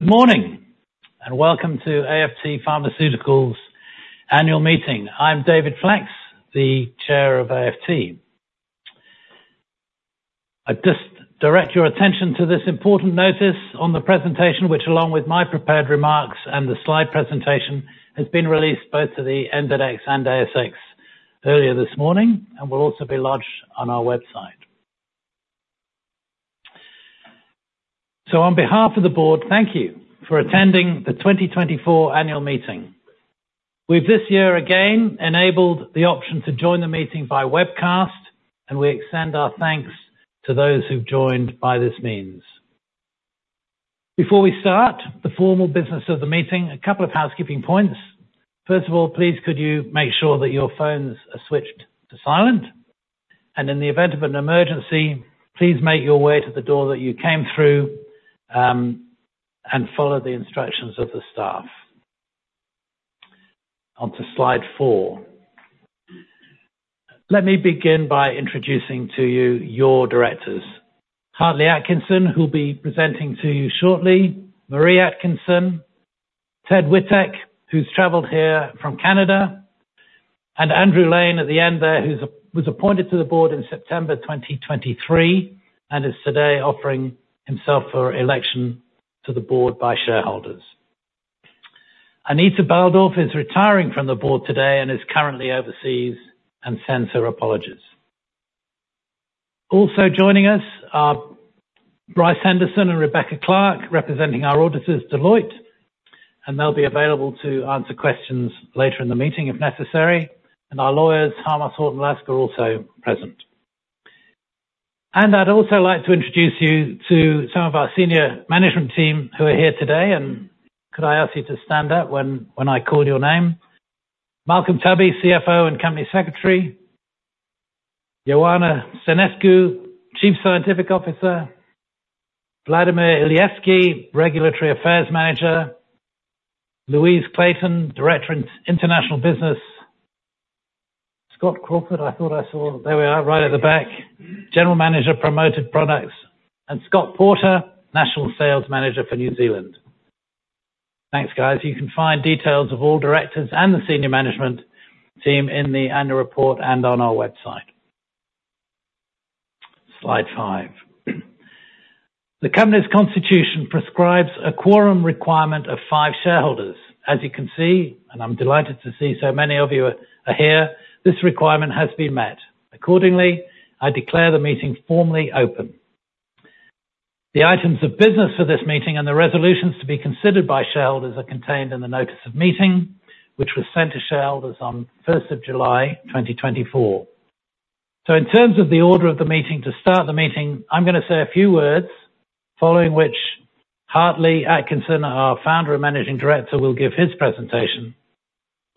Good morning and welcome to AFT Pharmaceuticals' annual meeting. I'm David Flacks, the Chair of AFT. I'd just direct your attention to this important notice on the presentation, which, along with my prepared remarks and the slide presentation, has been released both to the NZX and ASX earlier this morning and will also be lodged on our website. So, on behalf of the Board, thank you for attending the 2024 annual meeting. We've this year again enabled the option to join the meeting via webcast, and we extend our thanks to those who've joined by this means. Before we start the formal business of the meeting, a couple of housekeeping points. First of all, please, could you make sure that your phones are switched to silent? In the event of an emergency, please make your way to the door that you came through and follow the instructions of the staff onto slide four. Let me begin by introducing to you your directors: Hartley Atkinson, who'll be presenting to you shortly, Marree Atkinson, Ted Witek, who's travelled here from Canada, and Andrew Lane at the end there, who was appointed to the Board in September 2023 and is today offering himself for election to the Board by shareholders. Anita Baldauf is retiring from the Board today and is currently overseas and sends her apologies. Also joining us are Bryce Henderson and Rebecca Clark, representing our auditors, Deloitte, and they'll be available to answer questions later in the meeting if necessary. Our lawyers, Harmos Horton Lusk, are also present. I'd also like to introduce you to some of our senior management team who are here today. Could I ask you to stand up when I call your name? Malcolm Tubby, CFO and Company Secretary. Ioana Stanescu, Chief Scientific Officer. Vladimir Ilievski, Regulatory Affairs Manager. Louise Clayton, Director of International Business. Scott Crawford, I thought I saw, there we are, right at the back, General Manager, Promoted Products. And Scott Porter, National Sales Manager for New Zealand. Thanks, guys. You can find details of all directors and the senior management team in the annual report and on our website. Slide five. The company's constitution prescribes a quorum requirement of five shareholders. As you can see, and I'm delighted to see so many of you are here, this requirement has been met. Accordingly, I declare the meeting formally open. The items of business for this meeting and the resolutions to be considered by shareholders are contained in the notice of meeting, which was sent to shareholders on 1st July 2024. So, in terms of the order of the meeting, to start the meeting, I'm going to say a few words, following which Hartley Atkinson, our founder and managing director, will give his presentation.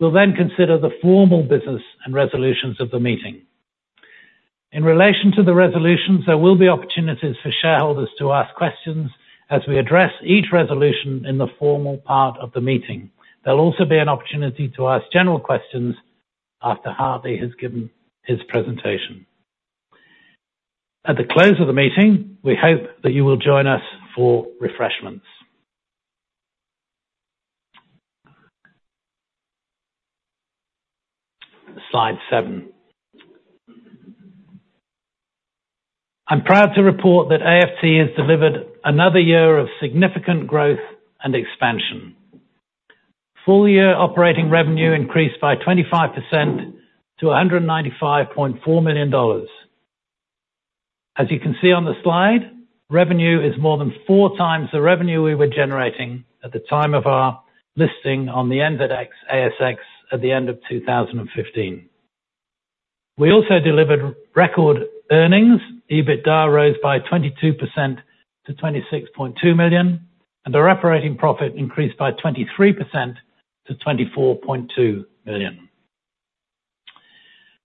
We'll then consider the formal business and resolutions of the meeting. In relation to the resolutions, there will be opportunities for shareholders to ask questions as we address each resolution in the formal part of the meeting. There'll also be an opportunity to ask general questions after Hartley has given his presentation. At the close of the meeting, we hope that you will join us for refreshments. Slide seven. I'm proud to report that AFT has delivered another year of significant growth and expansion. Full-year operating revenue increased by 25% to 195.4 million dollars. As you can see on the slide, revenue is more than four times the revenue we were generating at the time of our listing on the NZX ASX at the end of 2015. We also delivered record earnings. EBITDA rose by 22% to 26.2 million, and our operating profit increased by 23% to 24.2 million.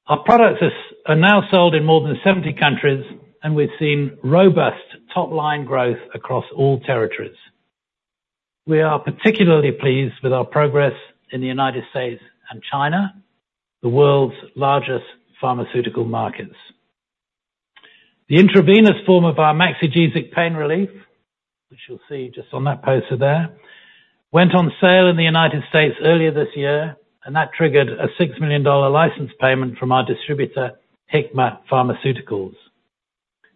Our products are now sold in more than 70 countries, and we've seen robust top-line growth across all territories. We are particularly pleased with our progress in the United States and China, the world's largest pharmaceutical markets. The intravenous form of our Maxigesic pain relief, which you'll see just on that poster there, went on sale in the United States earlier this year, and that triggered a $6 million license payment from our distributor, Hikma Pharmaceuticals.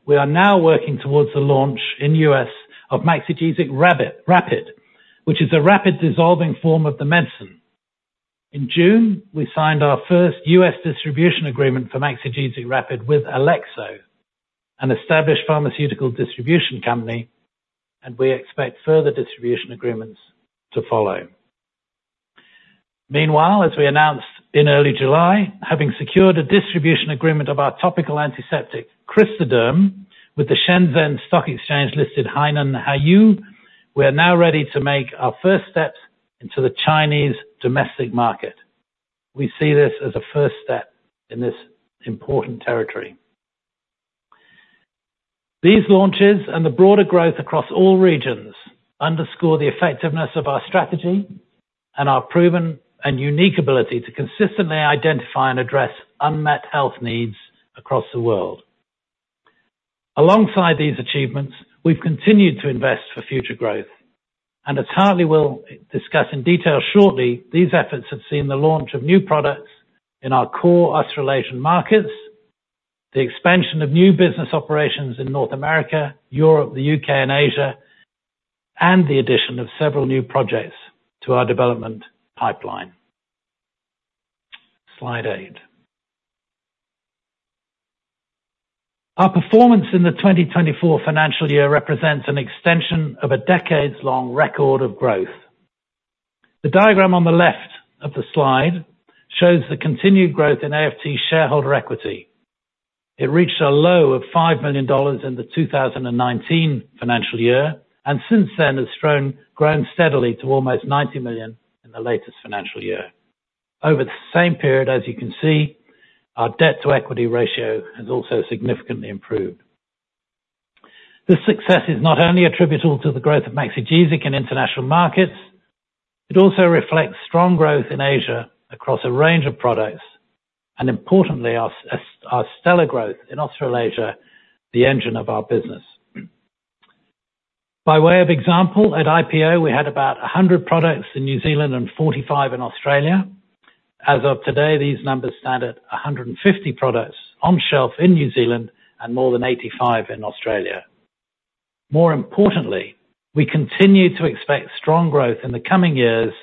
We are now working towards the launch in the US of Maxigesic Rapid, which is a rapid-dissolving form of the medicine. In June, we signed our first US distribution agreement for Maxigesic Rapid with Alexso, an established pharmaceutical distribution company, and we expect further distribution agreements to follow. Meanwhile, as we announced in early July, having secured a distribution agreement of our topical antiseptic, Crystaderm, with the Shenzhen Stock Exchange-listed Hainan Haiyao, we are now ready to make our first steps into the Chinese domestic market. We see this as a first step in this important territory. These launches and the broader growth across all regions underscore the effectiveness of our strategy and our proven and unique ability to consistently identify and address unmet health needs across the world. Alongside these achievements, we've continued to invest for future growth. As Hartley will discuss in detail shortly, these efforts have seen the launch of new products in our core Australasian markets, the expansion of new business operations in North America, Europe, the U.K., and Asia, and the addition of several new projects to our development pipeline. Slide eight. Our performance in the 2024 financial year represents an extension of a decades-long record of growth. The diagram on the left of the slide shows the continued growth in AFT's shareholder equity. It reached a low of 5 million dollars in the 2019 financial year and since then has grown steadily to almost 90 million in the latest financial year. Over the same period, as you can see, our debt-to-equity ratio has also significantly improved. This success is not only attributable to the growth of Maxigesic in international markets. It also reflects strong growth in Asia across a range of products and, importantly, our stellar growth in Australasia, the engine of our business. By way of example, at IPO, we had about 100 products in New Zealand and 45 in Australia. As of today, these numbers stand at 150 products on shelf in New Zealand and more than 85 in Australia. More importantly, we continue to expect strong growth in the coming years,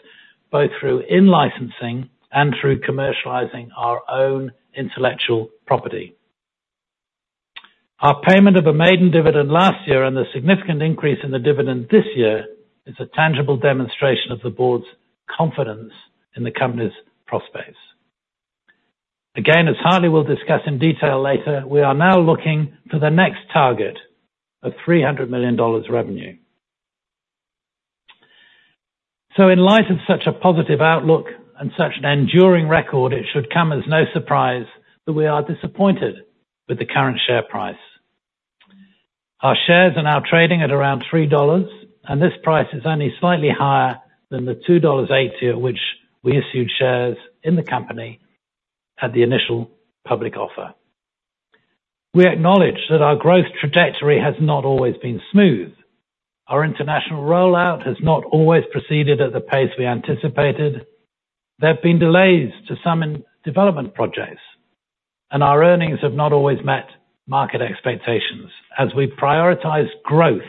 both through in-licensing and through commercializing our own intellectual property. Our payment of a maiden dividend last year and the significant increase in the dividend this year is a tangible demonstration of the Board's confidence in the company's prospects. Again, as Hartley will discuss in detail later, we are now looking for the next target of $300 million revenue. So, in light of such a positive outlook and such an enduring record, it should come as no surprise that we are disappointed with the current share price. Our shares are now trading at around $3, and this price is only slightly higher than the $2.80 at which we issued shares in the company at the initial public offer. We acknowledge that our growth trajectory has not always been smooth. Our international rollout has not always proceeded at the pace we anticipated. There have been delays to some development projects, and our earnings have not always met market expectations as we prioritize growth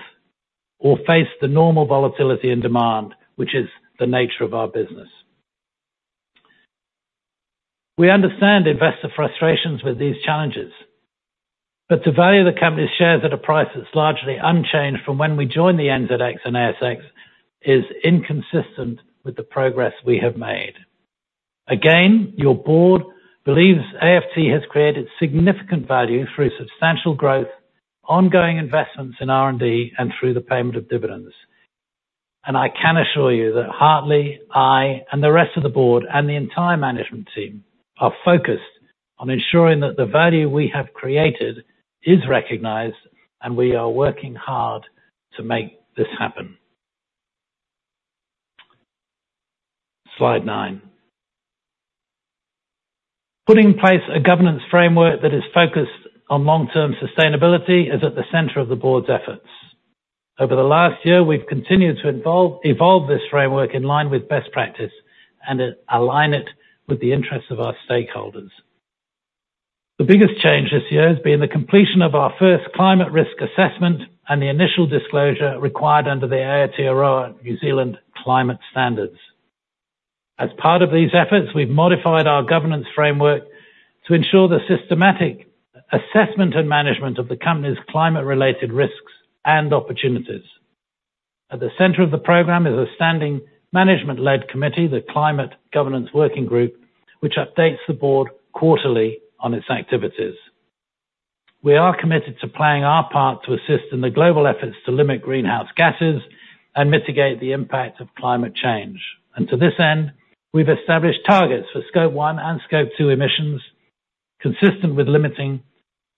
or face the normal volatility in demand, which is the nature of our business. We understand investor frustrations with these challenges, but to value the company's shares at a price that's largely unchanged from when we joined the NZX and ASX is inconsistent with the progress we have made. Again, your Board believes AFT has created significant value through substantial growth, ongoing investments in R&D, and through the payment of dividends. I can assure you that Hartley, I, and the rest of the Board and the entire management team are focused on ensuring that the value we have created is recognized, and we are working hard to make this happen. Slide nine. Putting in place a governance framework that is focused on long-term sustainability is at the center of the Board's efforts. Over the last year, we've continued to evolve this framework in line with best practice and align it with the interests of our stakeholders. The biggest change this year has been the completion of our first climate risk assessment and the initial disclosure required under the Aotearoa New Zealand climate standards. As part of these efforts, we've modified our governance framework to ensure the systematic assessment and management of the company's climate-related risks and opportunities. At the center of the program is a standing management-led committee, the Climate Governance Working Group, which updates the Board quarterly on its activities. We are committed to playing our part to assist in the global efforts to limit greenhouse gases and mitigate the impact of climate change. To this end, we've established targets for Scope 1 and Scope 2 emissions consistent with limiting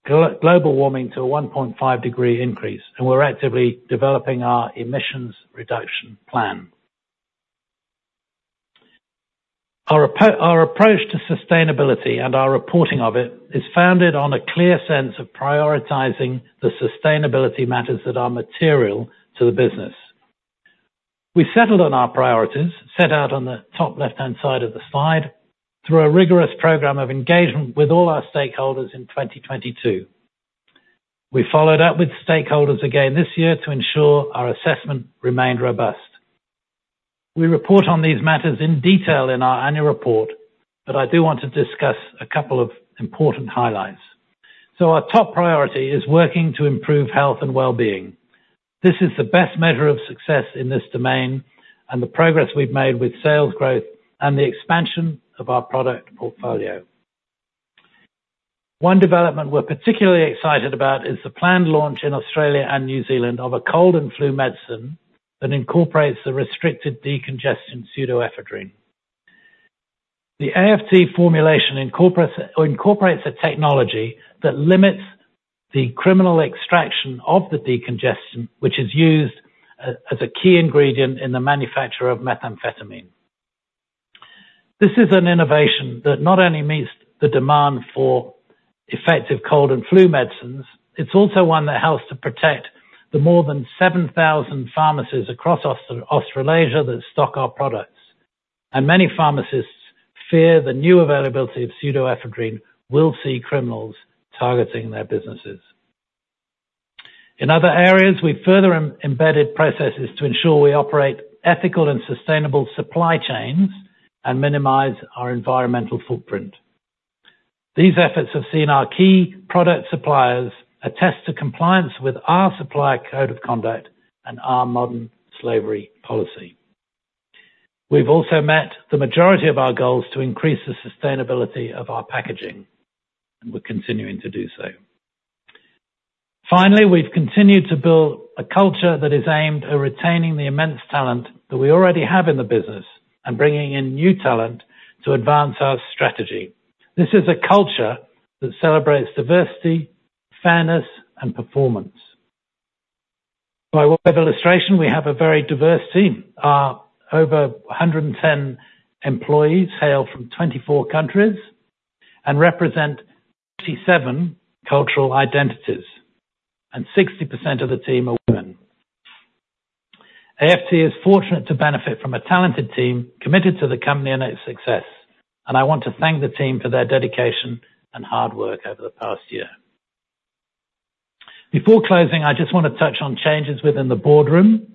global warming to a 1.5-degree increase, and we're actively developing our emissions reduction plan. Our approach to sustainability and our reporting of it is founded on a clear sense of prioritizing the sustainability matters that are material to the business. We settled on our priorities, set out on the top left-hand side of the slide, through a rigorous program of engagement with all our stakeholders in 2022. We followed up with stakeholders again this year to ensure our assessment remained robust. We report on these matters in detail in our annual report, but I do want to discuss a couple of important highlights. Our top priority is working to improve health and well-being. This is the best measure of success in this domain and the progress we've made with sales growth and the expansion of our product portfolio. One development we're particularly excited about is the planned launch in Australia and New Zealand of a cold and flu medicine that incorporates the restricted decongestant pseudoephedrine. The AFT formulation incorporates a technology that limits the criminal extraction of the decongestant, which is used as a key ingredient in the manufacture of methamphetamine. This is an innovation that not only meets the demand for effective cold and flu medicines, it's also one that helps to protect the more than 7,000 pharmacies across Australasia that stock our products. Many pharmacists fear the new availability of pseudoephedrine will see criminals targeting their businesses. In other areas, we've further embedded processes to ensure we operate ethical and sustainable supply chains and minimize our environmental footprint. These efforts have seen our key product suppliers attest to compliance with our supply code of conduct and our modern slavery policy. We've also met the majority of our goals to increase the sustainability of our packaging, and we're continuing to do so. Finally, we've continued to build a culture that is aimed at retaining the immense talent that we already have in the business and bringing in new talent to advance our strategy. This is a culture that celebrates diversity, fairness, and performance. By way of illustration, we have a very diverse team. Our over 110 employees hail from 24 countries and represent 27 cultural identities, and 60% of the team are women. AFT is fortunate to benefit from a talented team committed to the company and its success, and I want to thank the team for their dedication and hard work over the past year. Before closing, I just want to touch on changes within the boardroom.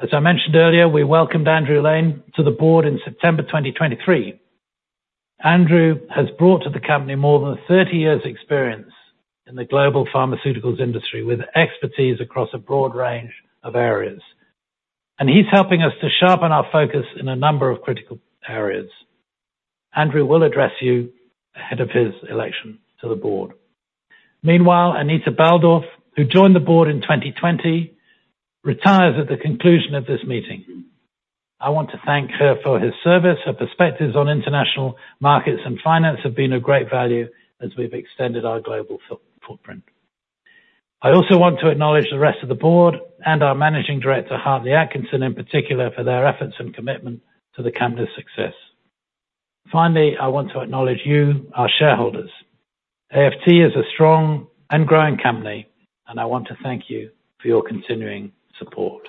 As I mentioned earlier, we welcomed Andrew Lane to the Board in September 2023. Andrew has brought to the company more than 30 years' experience in the global pharmaceuticals industry with expertise across a broad range of areas, and he's helping us to sharpen our focus in a number of critical areas. Andrew will address you ahead of his election to the Board. Meanwhile, Anita Baldauf, who joined the Board in 2020, retires at the conclusion of this meeting. I want to thank her for her service. Her perspectives on international markets and finance have been of great value as we've extended our global footprint. I also want to acknowledge the rest of the Board and our Managing Director, Hartley Atkinson, in particular, for their efforts and commitment to the company's success. Finally, I want to acknowledge you, our shareholders. AFT is a strong and growing company, and I want to thank you for your continuing support.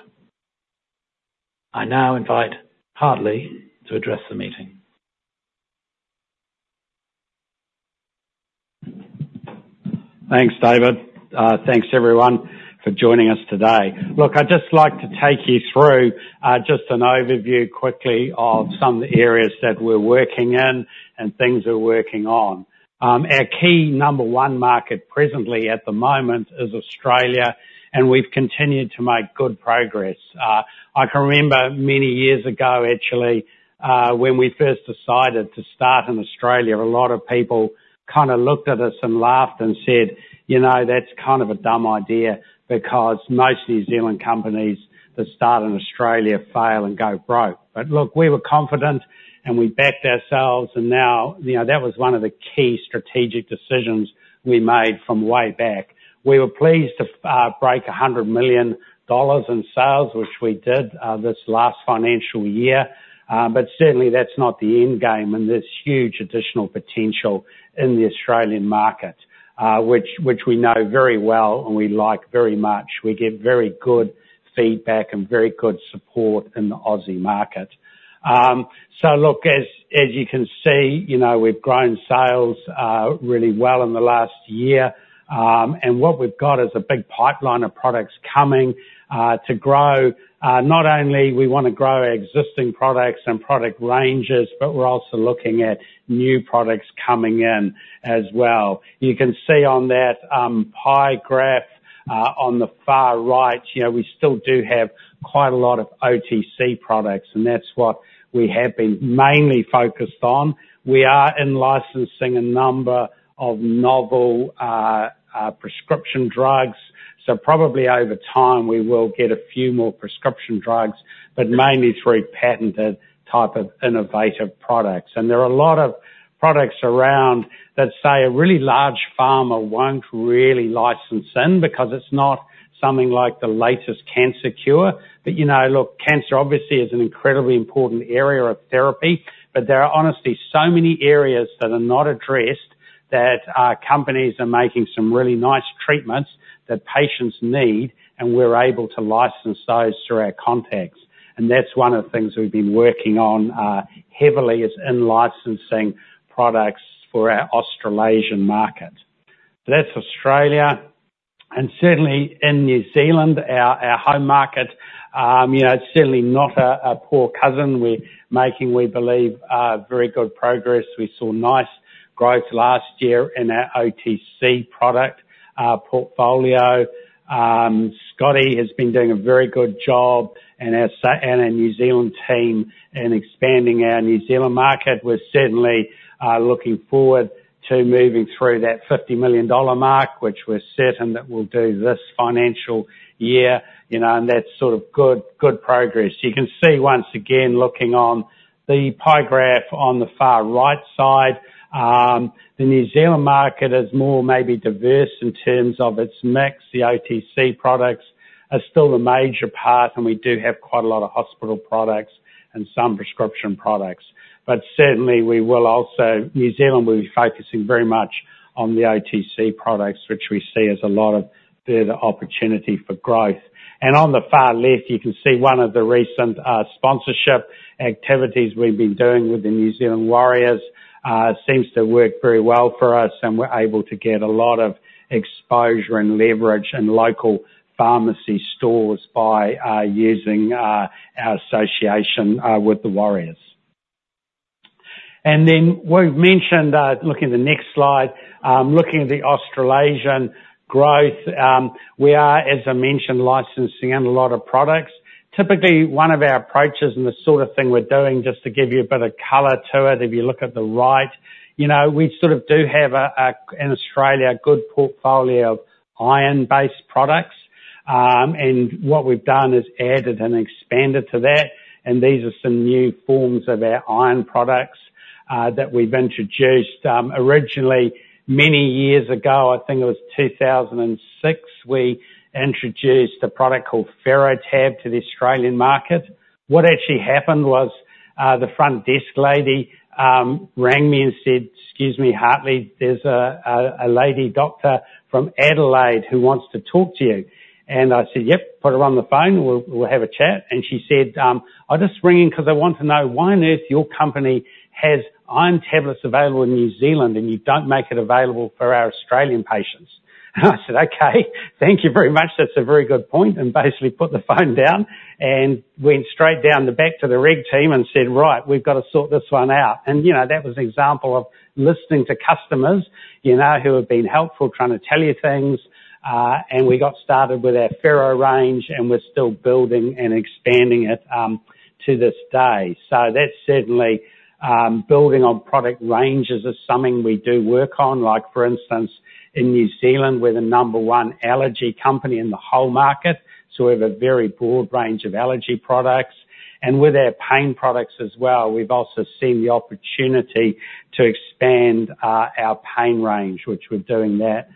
I now invite Hartley to address the meeting. Thanks, David. Thanks, everyone, for joining us today. Look, I'd just like to take you through just an overview quickly of some areas that we're working in and things we're working on. Our key number one market presently at the moment is Australia, and we've continued to make good progress. I can remember many years ago, actually, when we first decided to start in Australia, a lot of people kind of looked at us and laughed and said, "You know, that's kind of a dumb idea because most New Zealand companies that start in Australia fail and go broke." But look, we were confident, and we backed ourselves, and now that was one of the key strategic decisions we made from way back. We were pleased to break $100 million in sales, which we did this last financial year, but certainly that's not the endgame, and there's huge additional potential in the Australian market, which we know very well and we like very much. We get very good feedback and very good support in the Aussie market. So look, as you can see, we've grown sales really well in the last year, and what we've got is a big pipeline of products coming to grow. Not only do we want to grow existing products and product ranges, but we're also looking at new products coming in as well. You can see on that pie graph on the far right, we still do have quite a lot of OTC products, and that's what we have been mainly focused on. We are in licensing a number of novel prescription drugs, so probably over time we will get a few more prescription drugs, but mainly through patented type of innovative products. There are a lot of products around that say a really large pharma won't really license in because it's not something like the latest cancer cure. But look, cancer obviously is an incredibly important area of therapy, but there are honestly so many areas that are not addressed that companies are making some really nice treatments that patients need, and we're able to license those through our contacts. That's one of the things we've been working on heavily is in licensing products for our Australasian market. That's Australia, and certainly in New Zealand, our home market, it's certainly not a poor cousin. We're making, we believe, very good progress. We saw nice growth last year in our OTC product portfolio. Scotty has been doing a very good job, and our New Zealand team in expanding our New Zealand market. We're certainly looking forward to moving through that $50 million mark, which we're certain that we'll do this financial year, and that's sort of good progress. You can see once again, looking on the pie graph on the far right side, the New Zealand market is more maybe diverse in terms of its mix. The OTC products are still the major part, and we do have quite a lot of hospital products and some prescription products. But certainly, we will also, New Zealand will be focusing very much on the OTC products, which we see as a lot of further opportunity for growth. On the far left, you can see one of the recent sponsorship activities we've been doing with the New Zealand Warriors. It seems to work very well for us, and we're able to get a lot of exposure and leverage in local pharmacy stores by using our association with the Warriors. Then we've mentioned, looking at the next slide, looking at the Australasian growth, we are, as I mentioned, licensing in a lot of products. Typically, one of our approaches and the sort of thing we're doing, just to give you a bit of color to it, if you look at the right, we sort of do have in Australia a good portfolio of iron-based products, and what we've done is added and expanded to that. These are some new forms of our iron products that we've introduced. Originally, many years ago, I think it was 2006, we introduced a product called Ferro-Tab to the Australian market. What actually happened was the front desk lady rang me and said, "Excuse me, Hartley, there's a lady doctor from Adelaide who wants to talk to you." And I said, "Yep, put her on the phone. We'll have a chat." And she said, "I'll just ring in because I want to know why on earth your company has iron tablets available in New Zealand and you don't make it available for our Australian patients." And I said, "Okay, thank you very much. That's a very good point," and basically put the phone down and went straight down the back to the reg team and said, "Right, we've got to sort this one out." And that was an example of listening to customers who have been helpful trying to tell you things. And we got started with our Ferro range, and we're still building and expanding it to this day. So that's certainly building on product ranges is something we do work on. For instance, in New Zealand, we're the number one allergy company in the whole market, so we have a very broad range of allergy products. And with our pain products as well, we've also seen the opportunity to expand our pain range, which we're doing that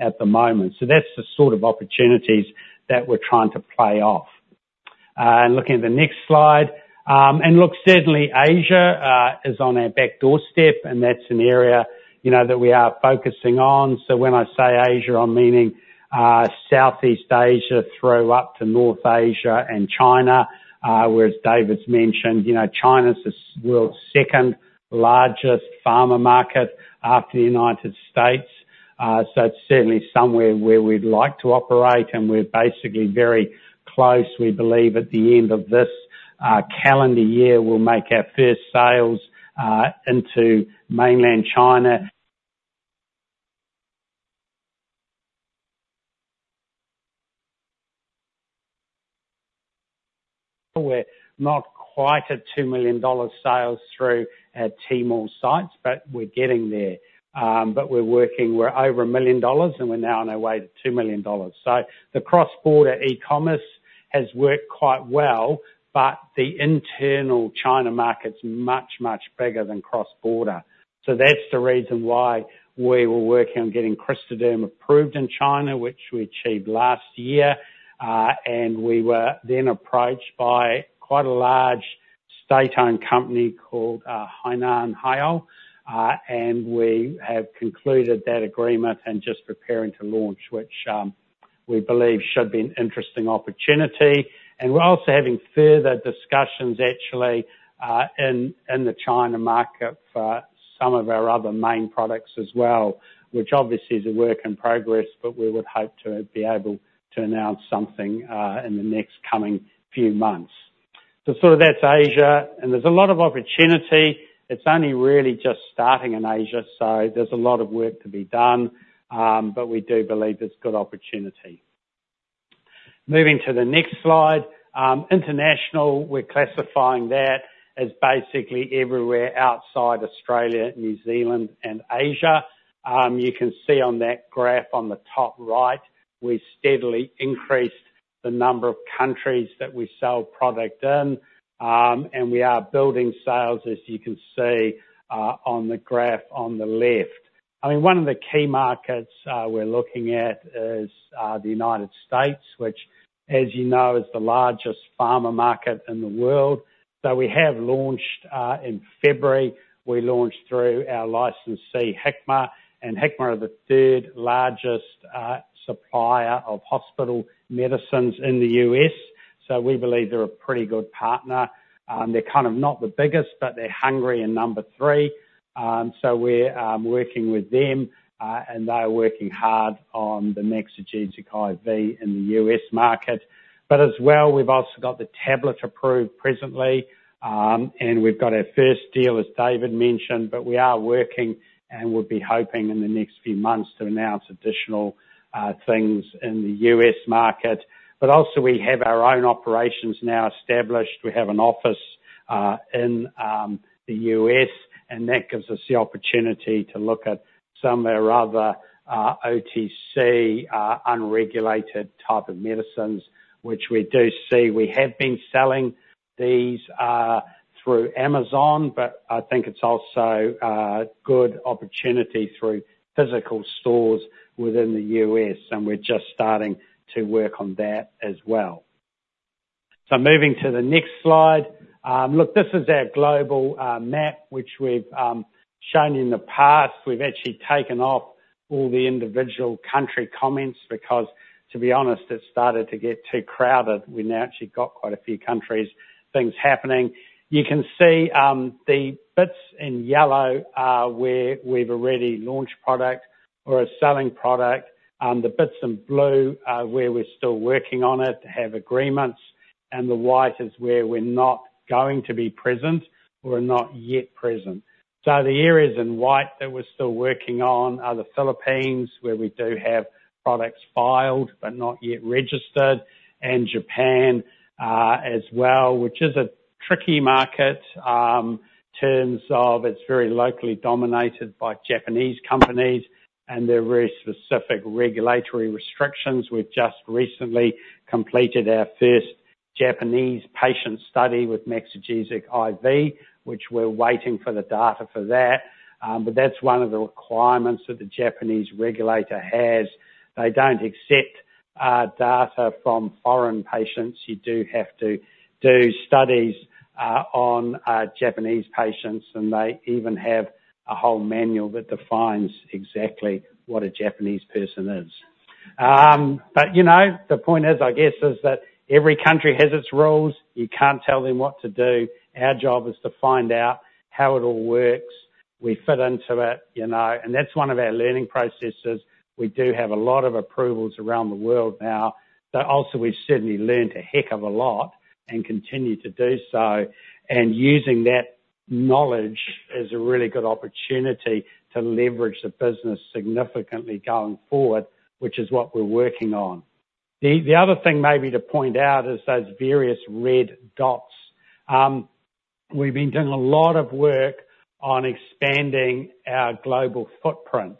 at the moment. So that's the sort of opportunities that we're trying to play off. Looking at the next slide, and look, certainly Asia is on our back doorstep, and that's an area that we are focusing on. So when I say Asia, I'm meaning Southeast Asia through up to North Asia and China, whereas David's mentioned China's the world's second largest pharma market after the United States. So it's certainly somewhere where we'd like to operate, and we're basically very close. We believe at the end of this calendar year, we'll make our first sales into mainland China. We're not quite at $2 million sales through our Tmall sites, but we're getting there. But we're working. We're over $1 million, and we're now on our way to $2 million. So the cross-border e-commerce has worked quite well, but the internal China market's much, much bigger than cross-border. So that's the reason why we were working on getting Crystaderm approved in China, which we achieved last year. And we were then approached by quite a large state-owned company called Hainan Haiyao, and we have concluded that agreement and just preparing to launch, which we believe should be an interesting opportunity. And we're also having further discussions, actually, in the China market for some of our other main products as well, which obviously is a work in progress, but we would hope to be able to announce something in the next coming few months. So sort of that's Asia, and there's a lot of opportunity. It's only really just starting in Asia, so there's a lot of work to be done, but we do believe there's good opportunity. Moving to the next slide, international, we're classifying that as basically everywhere outside Australia, New Zealand, and Asia. You can see on that graph on the top right, we steadily increased the number of countries that we sell product in, and we are building sales, as you can see on the graph on the left. I mean, one of the key markets we're looking at is the United States, which, as you know, is the largest pharma market in the world. So we have launched in February. We launched through our licensee, Hikma, and Hikma are the third largest supplier of hospital medicines in the U.S., so we believe they're a pretty good partner. They're kind of not the biggest, but they're hungry in number three. So we're working with them, and they're working hard on the next strategic IV in the U.S. market. But as well, we've also got the tablet approved presently, and we've got our first deal, as David mentioned, but we are working and would be hoping in the next few months to announce additional things in the U.S. market. But also, we have our own operations now established. We have an office in the U.S., and that gives us the opportunity to look at some of our other OTC unregulated type of medicines, which we do see. We have been selling these through Amazon, but I think it's also a good opportunity through physical stores within the U.S., and we're just starting to work on that as well. So moving to the next slide. Look, this is our global map, which we've shown you in the past. We've actually taken off all the individual country comments because, to be honest, it started to get too crowded. We've now actually got quite a few countries, things happening. You can see the bits in yellow where we've already launched product or are selling product. The bits in blue are where we're still working on it to have agreements, and the white is where we're not going to be present or are not yet present. So the areas in white that we're still working on are the Philippines, where we do have products filed but not yet registered, and Japan as well, which is a tricky market in terms of it's very locally dominated by Japanese companies, and there are very specific regulatory restrictions. We've just recently completed our first Japanese patient study with Maxigesic IV, which we're waiting for the data for that. But that's one of the requirements that the Japanese regulator has. They don't accept data from foreign patients. You do have to do studies on Japanese patients, and they even have a whole manual that defines exactly what a Japanese person is. But the point is, I guess, is that every country has its rules. You can't tell them what to do. Our job is to find out how it all works. We fit into it, and that's one of our learning processes. We do have a lot of approvals around the world now, but also we've certainly learned a heck of a lot and continue to do so. And using that knowledge is a really good opportunity to leverage the business significantly going forward, which is what we're working on. The other thing maybe to point out is those various red dots. We've been doing a lot of work on expanding our global footprint.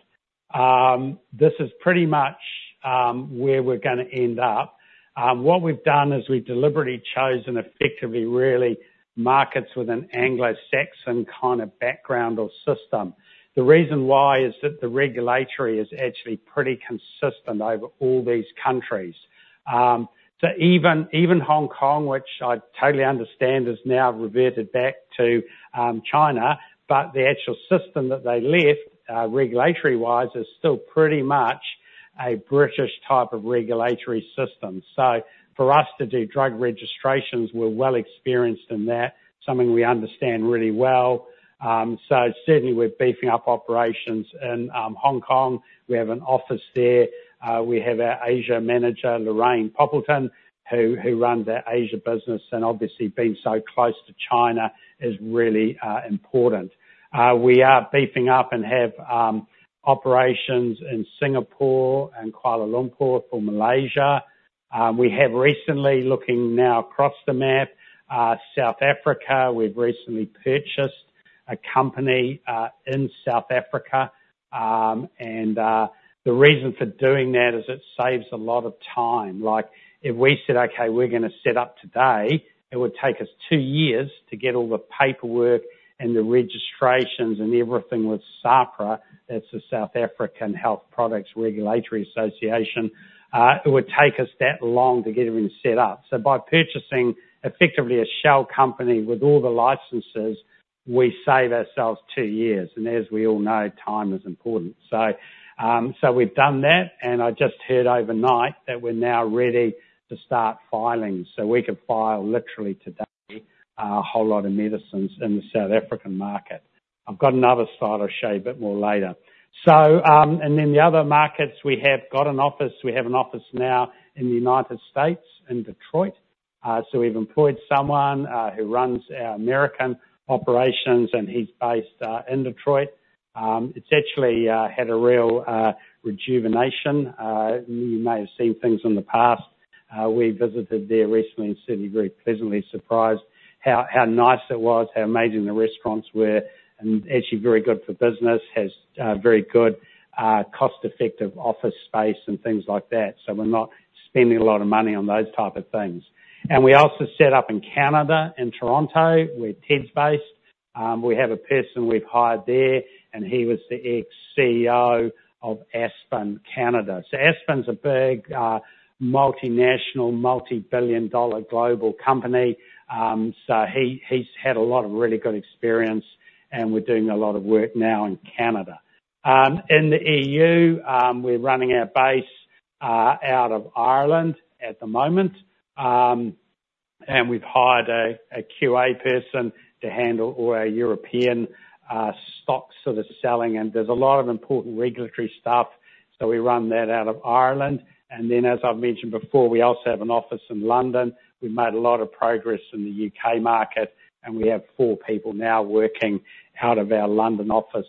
This is pretty much where we're going to end up. What we've done is we've deliberately chosen effectively really markets with an Anglo-Saxon kind of background or system. The reason why is that the regulatory is actually pretty consistent over all these countries. So even Hong Kong, which I totally understand is now reverted back to China, but the actual system that they left regulatory-wise is still pretty much a British type of regulatory system. So for us to do drug registrations, we're well experienced in that, something we understand really well. So certainly, we're beefing up operations in Hong Kong. We have an office there. We have our Asia manager, Lorraine Popelka, who runs our Asia business, and obviously, being so close to China is really important. We are beefing up and have operations in Singapore and Kuala Lumpur for Malaysia. We have recently, looking now across the map, South Africa. We've recently purchased a company in South Africa, and the reason for doing that is it saves a lot of time. If we said, "Okay, we're going to set up today," it would take us two years to get all the paperwork and the registrations and everything with SAHPRA, that's the South African Health Products Regulatory Authority. It would take us that long to get everything set up. So by purchasing effectively a shell company with all the licenses, we save ourselves two years. And as we all know, time is important. So we've done that, and I just heard overnight that we're now ready to start filing so we can file literally today a whole lot of medicines in the South African market. I've got another slide. I'll show you a bit more later. And then the other markets, we have got an office. We have an office now in the United States in Detroit. So we've employed someone who runs our American operations, and he's based in Detroit. It's actually had a real rejuvenation. You may have seen things in the past. We visited there recently and certainly very pleasantly surprised how nice it was, how amazing the restaurants were, and actually very good for business, has very good cost-effective office space and things like that. So we're not spending a lot of money on those type of things. And we also set up in Canada in Toronto. We're Ted's based. We have a person we've hired there, and he was the ex-CEO of Aspen Canada. So Aspen's a big multinational, multi-billion dollar global company. So he's had a lot of really good experience, and we're doing a lot of work now in Canada. In the EU, we're running our base out of Ireland at the moment, and we've hired a QA person to handle all our European stocks that are selling. There's a lot of important regulatory stuff, so we run that out of Ireland. And then, as I've mentioned before, we also have an office in London. We've made a lot of progress in the U.K. market, and we have four people now working out of our London office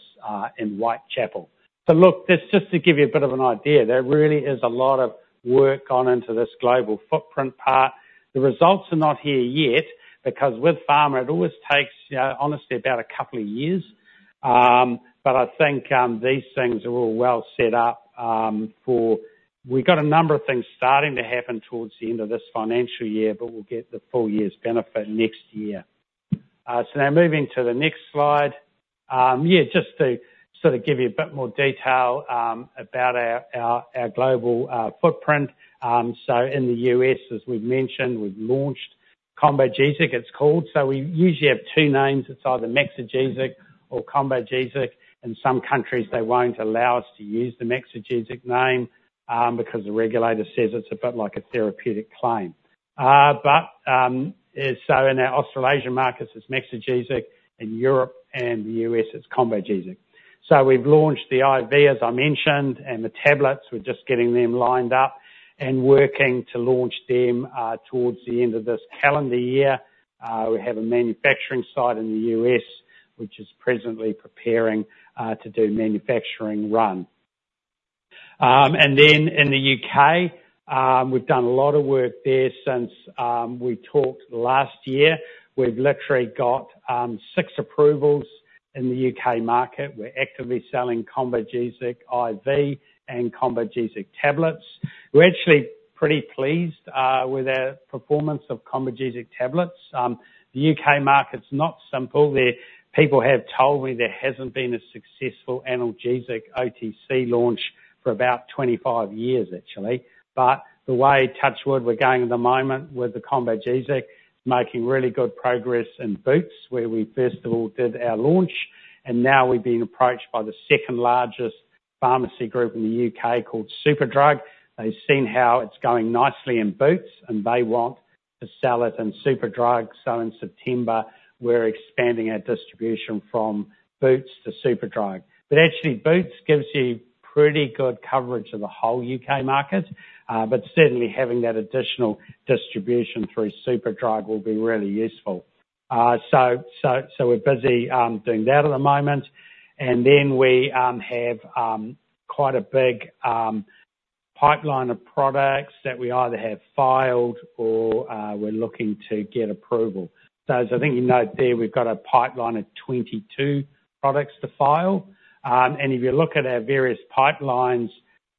in Whitechapel. But look, just to give you a bit of an idea, there really is a lot of work gone into this global footprint part. The results are not here yet because with pharma, it always takes, honestly, about a couple of years. But I think these things are all well set up, for we've got a number of things starting to happen towards the end of this financial year, but we'll get the full year's benefit next year. So now moving to the next slide. Yeah, just to sort of give you a bit more detail about our global footprint. So in the U.S., as we've mentioned, we've launched Combogesic, it's called. So we usually have two names. It's either Maxigesic or Combogesic. In some countries, they won't allow us to use the Maxigesic name because the regulator says it's a bit like a therapeutic claim. But so in our Australasian markets, it's Maxigesic. In Europe and the U.S., it's Combogesic. So we've launched the IV, as I mentioned, and the tablets. We're just getting them lined up and working to launch them towards the end of this calendar year. We have a manufacturing site in the U.S., which is presently preparing to do manufacturing run. And then in the U.K., we've done a lot of work there since we talked last year. We've literally got six approvals in the U.K. market. We're actively selling Combogesic IV and Combogesic tablets. We're actually pretty pleased with our performance of Combogesic tablets. The U.K. market's not simple. People have told me there hasn't been a successful analgesic OTC launch for about 25 years, actually. But the way, touch wood, we're going at the moment with the Combogesic is making really good progress in Boots, where we first of all did our launch, and now we've been approached by the second largest pharmacy group in the U.K. called Superdrug. They've seen how it's going nicely in Boots, and they want to sell it in Superdrug. So in September, we're expanding our distribution from Boots to Superdrug. But actually, Boots gives you pretty good coverage of the whole U.K. market, but certainly having that additional distribution through Superdrug will be really useful. So we're busy doing that at the moment. And then we have quite a big pipeline of products that we either have filed or we're looking to get approval. So as I think you note there, we've got a pipeline of 22 products to file. And if you look at our various pipelines,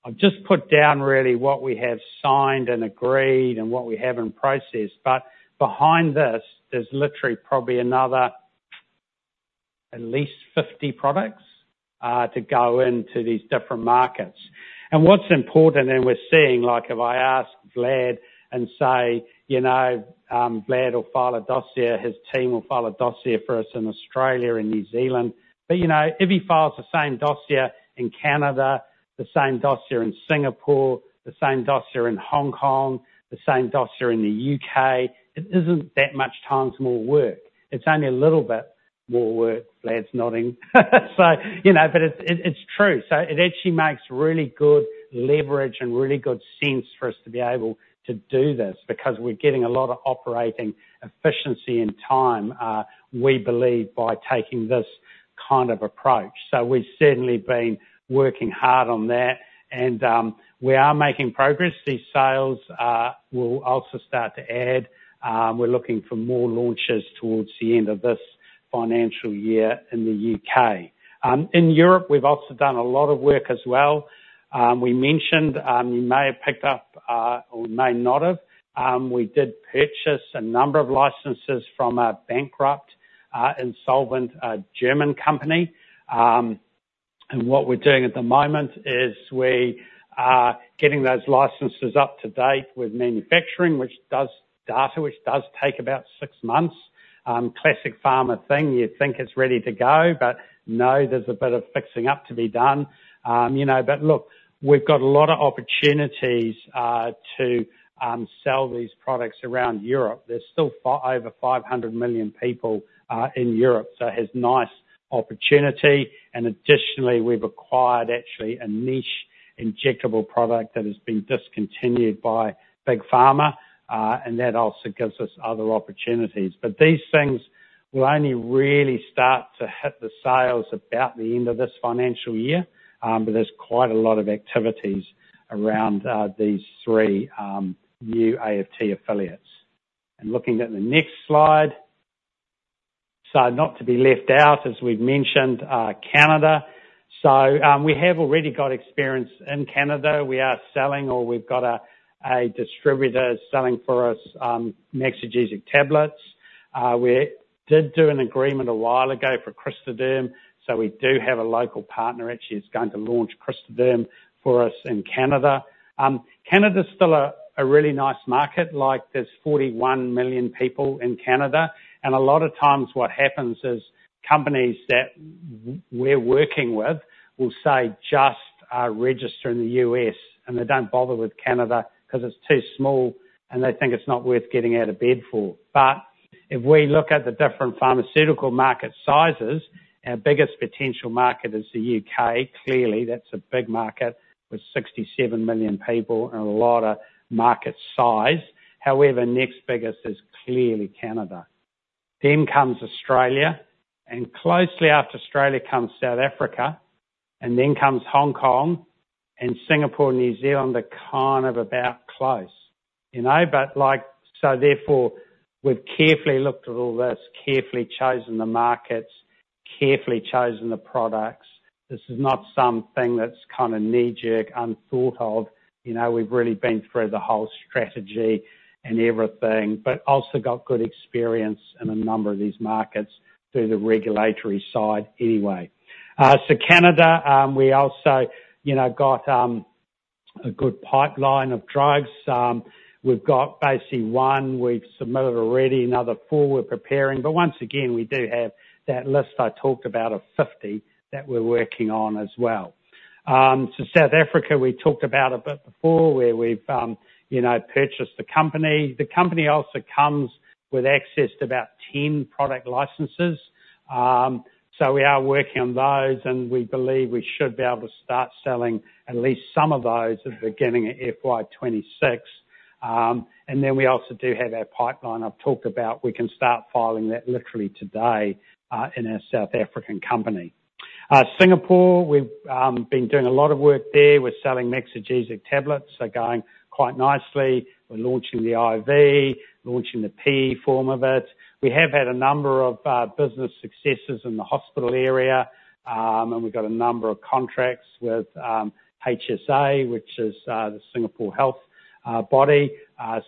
I've just put down really what we have signed and agreed and what we have in process. But behind this, there's literally probably another at least 50 products to go into these different markets. And what's important, and we're seeing, like if I ask Vlad and say Vlad will file a dossier, his team will file a dossier for us in Australia and New Zealand. But if he files the same dossier in Canada, the same dossier in Singapore, the same dossier in Hong Kong, the same dossier in the U.K., it isn't that much time to more work. It's only a little bit more work. Vlad's nodding. But it's true. So it actually makes really good leverage and really good sense for us to be able to do this because we're getting a lot of operating efficiency and time, we believe, by taking this kind of approach. So we've certainly been working hard on that, and we are making progress. These sales will also start to add. We're looking for more launches towards the end of this financial year in the U.K. In Europe, we've also done a lot of work as well. We mentioned you may have picked up or may not have. We did purchase a number of licenses from a bankrupt, insolvent German company. And what we're doing at the moment is we are getting those licenses up to date with manufacturing, which does data, which does take about six months. Classic pharma thing. You think it's ready to go, but no, there's a bit of fixing up to be done. But look, we've got a lot of opportunities to sell these products around Europe. There's still over 500 million people in Europe, so it has nice opportunity. And additionally, we've acquired actually a niche injectable product that has been discontinued by Big Pharma, and that also gives us other opportunities. But these things will only really start to hit the sales about the end of this financial year, but there's quite a lot of activities around these three new AFT affiliates. And looking at the next slide. So not to be left out, as we've mentioned, Canada. So we have already got experience in Canada. We are selling, or we've got a distributor selling for us Maxigesic tablets. We did do an agreement a while ago for Crystaderm, so we do have a local partner actually who's going to launch Crystaderm for us in Canada. Canada's still a really nice market. There's 41 million people in Canada, and a lot of times what happens is companies that we're working with will say, "Just register in the U.S.," and they don't bother with Canada because it's too small, and they think it's not worth getting out of bed for. But if we look at the different pharmaceutical market sizes, our biggest potential market is the U.K., clearly, that's a big market with 67 million people and a lot of market size. However, next biggest is clearly Canada. Then comes Australia, and closely after Australia comes South Africa, and then comes Hong Kong and Singapore and New Zealand are kind of about close. So therefore, we've carefully looked at all this, carefully chosen the markets, carefully chosen the products. This is not something that's kind of knee-jerk, unthought of. We've really been through the whole strategy and everything, but also got good experience in a number of these markets through the regulatory side anyway. So Canada, we also got a good pipeline of drugs. We've got basically one we've submitted already, another four we're preparing. But once again, we do have that list I talked about of 50 that we're working on as well. So South Africa, we talked about a bit before where we've purchased the company. The company also comes with access to about 10 product licenses. So we are working on those, and we believe we should be able to start selling at least some of those at the beginning of FY 2026. And then we also do have our pipeline I've talked about. We can start filing that literally today in our South African company. Singapore, we've been doing a lot of work there. We're selling Maxigesic tablets. They're going quite nicely. We're launching the IV, launching the Rapid form of it. We have had a number of business successes in the hospital area, and we've got a number of contracts with HSA, which is the Health Sciences Authority.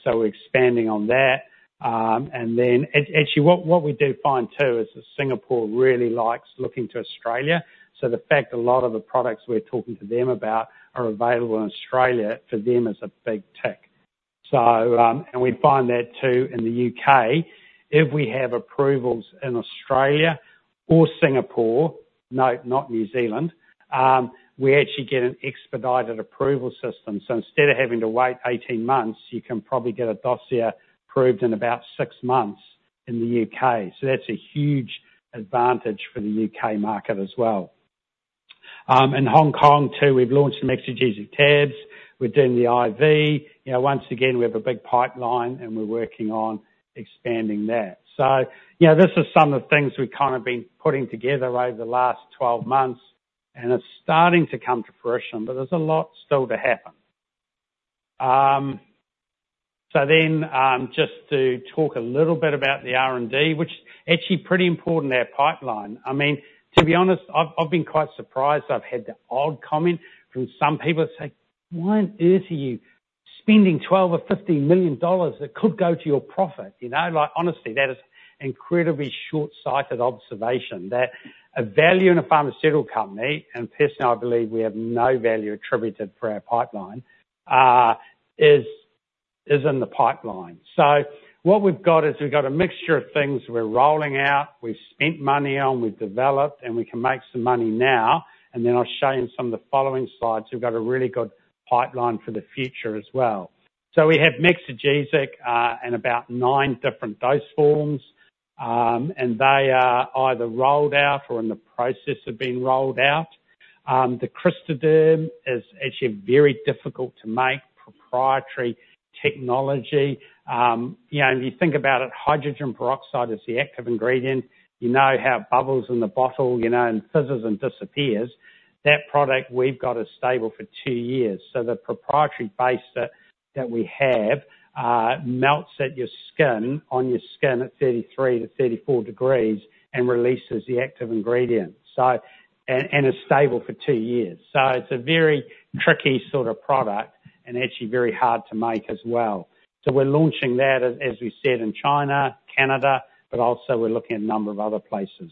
So we're expanding on that. And then actually, what we do find too is that Singapore really likes looking to Australia. So the fact a lot of the products we're talking to them about are available in Australia, for them is a big tick. And we find that too in the U.K. If we have approvals in Australia or Singapore, note, not New Zealand, we actually get an expedited approval system. So instead of having to wait 18 months, you can probably get a dossier approved in about 6 months in the U.K. So that's a huge advantage for the U.K. market as well. In Hong Kong too, we've launched Maxigesic tabs. We're doing the IV. Once again, we have a big pipeline, and we're working on expanding that. So this is some of the things we've kind of been putting together over the last 12 months, and it's starting to come to fruition, but there's a lot still to happen. So then just to talk a little bit about the R&D, which is actually pretty important to our pipeline. I mean, to be honest, I've been quite surprised I've had the odd comment from some people that say, "Why on earth are you spending 12 million or 15 million dollars that could go to your profit?" Honestly, that is an incredibly short-sighted observation. A value in a pharmaceutical company, and personally, I believe we have no value attributed for our pipeline, is in the pipeline. So what we've got is we've got a mixture of things we're rolling out, we've spent money on, we've developed, and we can make some money now. And then I'll show you in some of the following slides, we've got a really good pipeline for the future as well. So we have Maxigesic in about nine different dose forms, and they are either rolled out or in the process of being rolled out. The Crystaderm is actually very difficult to make, proprietary technology. If you think about it, hydrogen peroxide is the active ingredient. You know how it bubbles in the bottle and fizzles and disappears. That product we've got is stable for two years. So the proprietary base that we have melts at your skin, on your skin at 33-34 degrees, and releases the active ingredient and is stable for two years. So it's a very tricky sort of product and actually very hard to make as well. So we're launching that, as we said, in China, Canada, but also we're looking at a number of other places.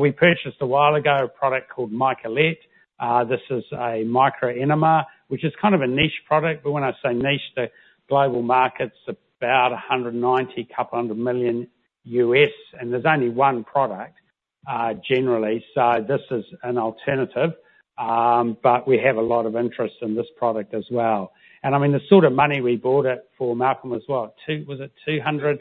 We purchased a while ago a product called Micolette. This is a micro-enema, which is kind of a niche product. But when I say niche, the global market's about $190 million-$200 million, and there's only one product generally. So this is an alternative, but we have a lot of interest in this product as well. And I mean, the sort of money we bought it for Malcolm was what? Was it 200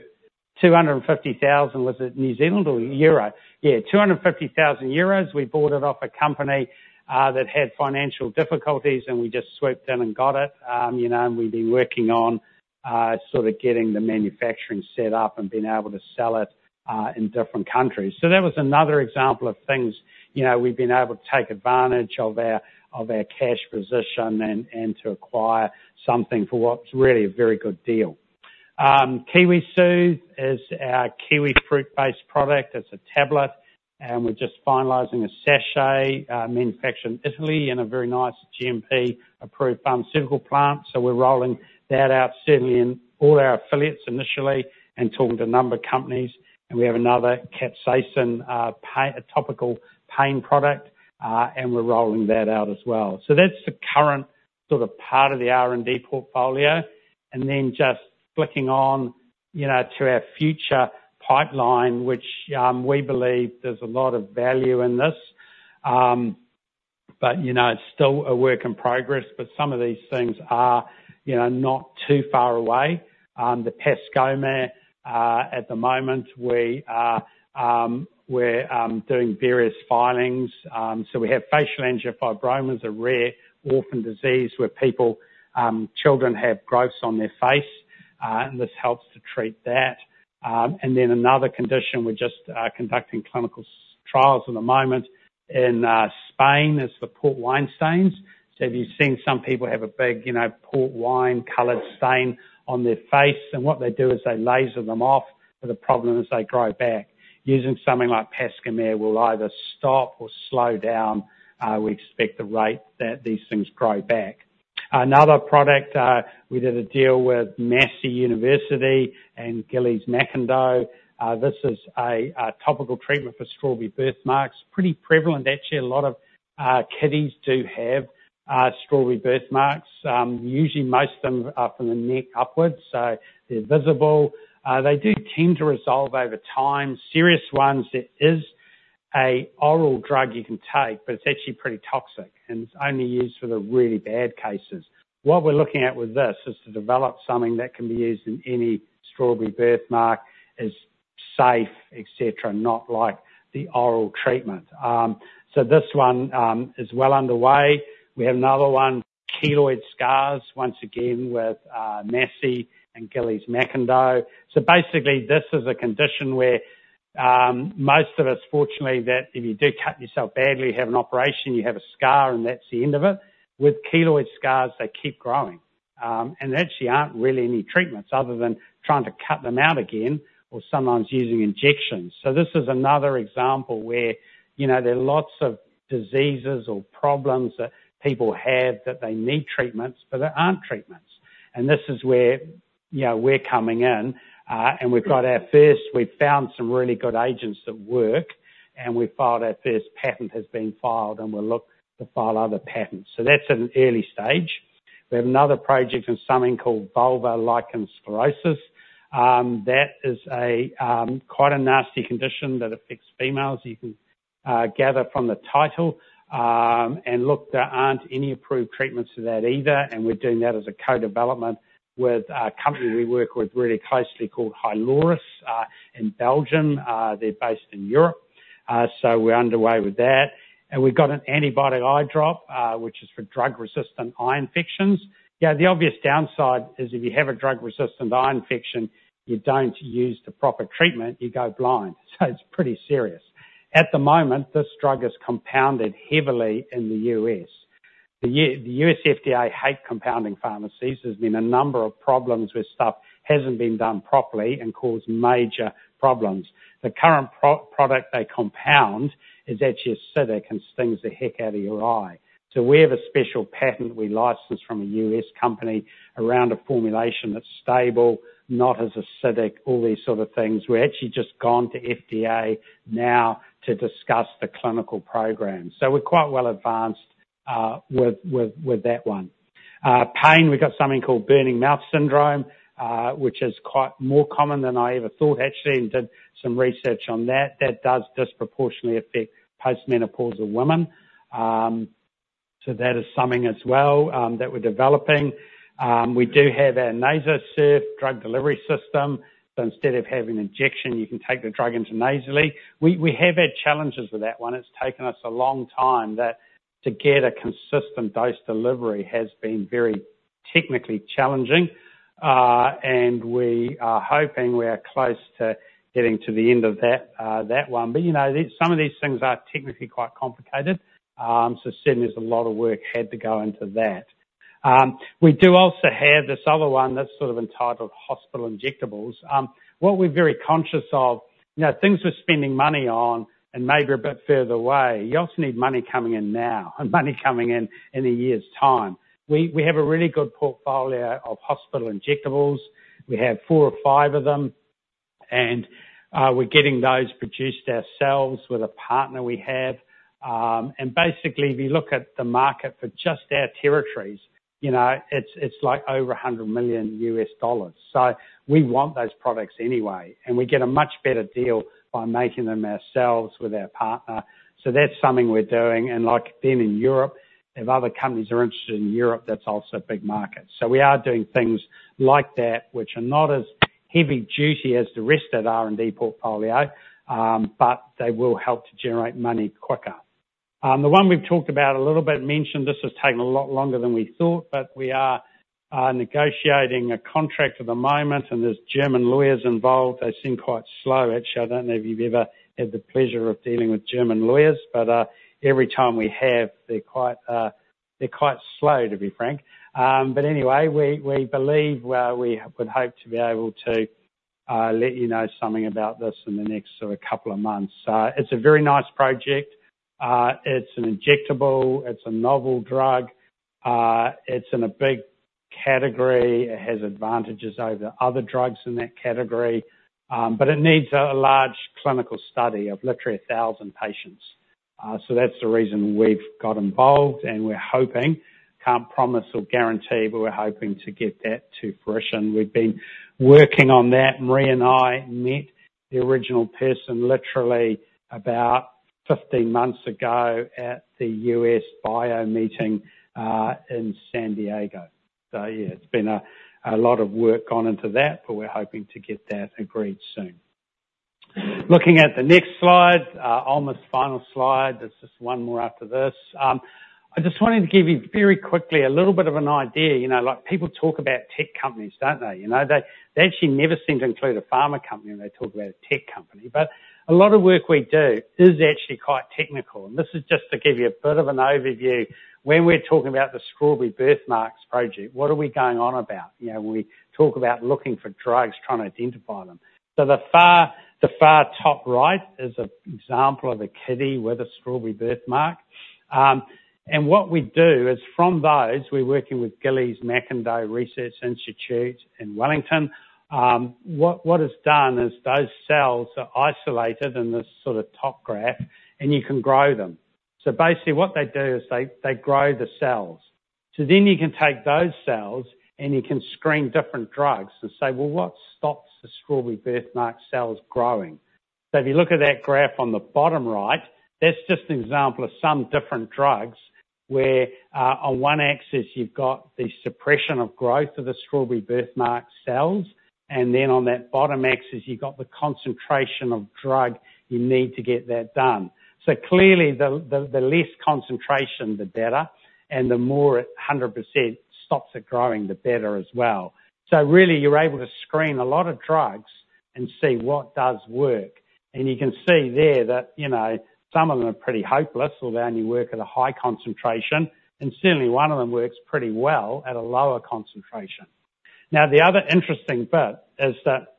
or 250,000? Was it New Zealand or euro? Yeah, 250,000 euros. We bought it off a company that had financial difficulties, and we just swooped in and got it. And we've been working on sort of getting the manufacturing set up and being able to sell it in different countries. So that was another example of things we've been able to take advantage of our cash position and to acquire something for what's really a very good deal. Kiwisoothe is our kiwi fruit-based product. It's a tablet, and we're just finalizing a sachet manufactured in Italy in a very nice GMP-approved pharmaceutical plant. So we're rolling that out, certainly in all our affiliates initially and talking to a number of companies. And we have another Capsaicin, a topical pain product, and we're rolling that out as well. So that's the current sort of part of the R&D portfolio. And then just flicking on to our future pipeline, which we believe there's a lot of value in this, but it's still a work in progress. But some of these things are not too far away. The Pascomer, at the moment, we're doing various filings. So we have facial angiofibromas, a rare orphan disease where children have growths on their face, and this helps to treat that. And then another condition, we're just conducting clinical trials at the moment in Spain, is the port wine stains. So if you've seen some people have a big port wine colored stain on their face, and what they do is they laser them off, but the problem is they grow back. Using something like Pascomer will either stop or slow down, we expect, the rate that these things grow back. Another product, we did a deal with Massey University and Gillies McIndoe. This is a topical treatment for strawberry birthmarks. Pretty prevalent, actually. A lot of kiddies do have strawberry birthmarks. Usually, most of them are from the neck upwards, so they're visible. They do tend to resolve over time. Serious ones, it is an oral drug you can take, but it's actually pretty toxic, and it's only used for the really bad cases. What we're looking at with this is to develop something that can be used in any strawberry birthmark, is safe, etc., not like the oral treatment. So this one is well underway. We have another one, keloid scars, once again with Massey and Gillies McIndoe. So basically, this is a condition where most of us, fortunately, that if you do cut yourself badly, have an operation, you have a scar, and that's the end of it. With keloid scars, they keep growing, and there actually aren't really any treatments other than trying to cut them out again or sometimes using injections. So this is another example where there are lots of diseases or problems that people have that they need treatments, but there aren't treatments. This is where we're coming in, and we've got our first we've found some really good agents that work, and we filed our first patent has been filed, and we're looking to file other patents. So that's an early stage. We have another project and something called vulvar lichen sclerosus. That is quite a nasty condition that affects females. You can gather from the title and look, there aren't any approved treatments for that either, and we're doing that as a co-development with a company we work with really closely called Hyloris in Belgium. They're based in Europe. So we're underway with that. And we've got an antibiotic eye drop, which is for drug-resistant eye infections. Yeah, the obvious downside is if you have a drug-resistant eye infection, you don't use the proper treatment, you go blind. So it's pretty serious. At the moment, this drug is compounded heavily in the U.S. The U.S. FDA hate compounding pharmacies. There's been a number of problems where stuff hasn't been done properly and caused major problems. The current product they compound is actually acidic and stings the heck out of your eye. So we have a special patent we licensed from a U.S. company around a formulation that's stable, not as acidic, all these sort of things. We're actually just gone to FDA now to discuss the clinical program. So we're quite well advanced with that one. Pain, we've got something called burning mouth syndrome, which is quite more common than I ever thought, actually, and did some research on that. That does disproportionately affect postmenopausal women. So that is something as well that we're developing. We do have our NasoSurf drug delivery system. So instead of having an injection, you can take the drug intranasally. We have had challenges with that one. It's taken us a long time to get a consistent dose delivery, has been very technically challenging, and we are hoping we are close to getting to the end of that one. But some of these things are technically quite complicated. So certainly, there's a lot of work had to go into that. We do also have this other one that's sort of entitled hospital injectables. What we're very conscious of, things we're spending money on and maybe a bit further away, you also need money coming in now and money coming in in a year's time. We have a really good portfolio of hospital injectables. We have 4 or 5 of them, and we're getting those produced ourselves with a partner we have. Basically, if you look at the market for just our territories, it's like over $100 million. So we want those products anyway, and we get a much better deal by making them ourselves with our partner. So that's something we're doing. Like being in Europe, if other companies are interested in Europe, that's also a big market. So we are doing things like that, which are not as heavy duty as the rest of the R&D portfolio, but they will help to generate money quicker. The one we've talked about a little bit mentioned, this has taken a lot longer than we thought, but we are negotiating a contract at the moment, and there's German lawyers involved. They seem quite slow, actually. I don't know if you've ever had the pleasure of dealing with German lawyers, but every time we have, they're quite slow, to be frank. But anyway, we believe we would hope to be able to let you know something about this in the next sort of couple of months. It's a very nice project. It's an injectable. It's a novel drug. It's in a big category. It has advantages over other drugs in that category, but it needs a large clinical study of literally 1,000 patients. So that's the reason we've got involved, and we're hoping, can't promise or guarantee, but we're hoping to get that to fruition. We've been working on that. Marree and I met the original person literally about 15 months ago at the U.S. BIO meeting in San Diego. So yeah, it's been a lot of work gone into that, but we're hoping to get that agreed soon. Looking at the next slide, almost final slide, there's just one more after this. I just wanted to give you very quickly a little bit of an idea. People talk about tech companies, don't they? They actually never seem to include a pharma company when they talk about a tech company. But a lot of work we do is actually quite technical. And this is just to give you a bit of an overview when we're talking about the strawberry birthmarks project, what are we going on about? We talk about looking for drugs, trying to identify them. So the far top right is an example of a kiddie with a strawberry birthmark. And what we do is from those, we're working with Gillies McIndoe Research Institute in Wellington. What is done is those cells are isolated in this sort of top graph, and you can grow them. Basically, what they do is they grow the cells. Then you can take those cells, and you can screen different drugs and say, "Well, what stops the strawberry birthmark cells growing?" If you look at that graph on the bottom right, that's just an example of some different drugs where on one axis, you've got the suppression of growth of the strawberry birthmark cells, and then on that bottom axis, you've got the concentration of drug you need to get that done. Clearly, the less concentration, the better, and the more it 100% stops it growing, the better as well. Really, you're able to screen a lot of drugs and see what does work. And you can see there that some of them are pretty hopeless, although only work at a high concentration, and certainly, one of them works pretty well at a lower concentration. Now, the other interesting bit is that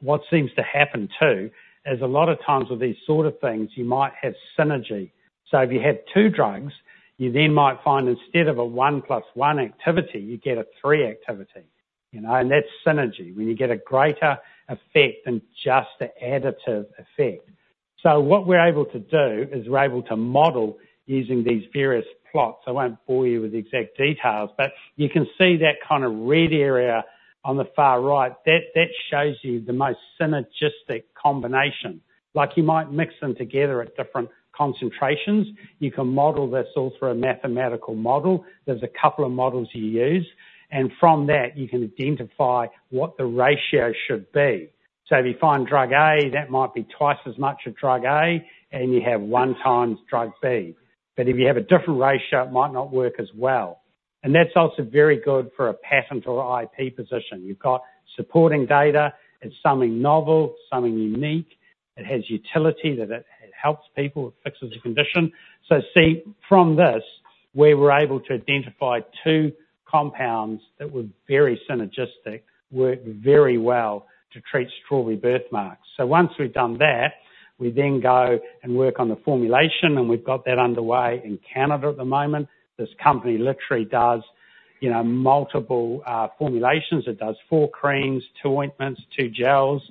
what seems to happen too is a lot of times with these sort of things, you might have synergy. So if you have two drugs, you then might find instead of a 1 + 1 activity, you get a 3 activity. And that's synergy when you get a greater effect than just the additive effect. So what we're able to do is we're able to model using these various plots. I won't bore you with the exact details, but you can see that kind of red area on the far right, that shows you the most synergistic combination. You might mix them together at different concentrations. You can model this all through a mathematical model. There's a couple of models you use, and from that, you can identify what the ratio should be. So if you find drug A, that might be twice as much of drug A, and you have one times drug B. But if you have a different ratio, it might not work as well. And that's also very good for a patent or IP position. You've got supporting data. It's something novel, something unique. It has utility that it helps people, it fixes the condition. So see, from this, we were able to identify two compounds that were very synergistic, worked very well to treat strawberry birthmarks. So once we've done that, we then go and work on the formulation, and we've got that underway in Canada at the moment. This company literally does multiple formulations. It does four creams, two ointments, two gels,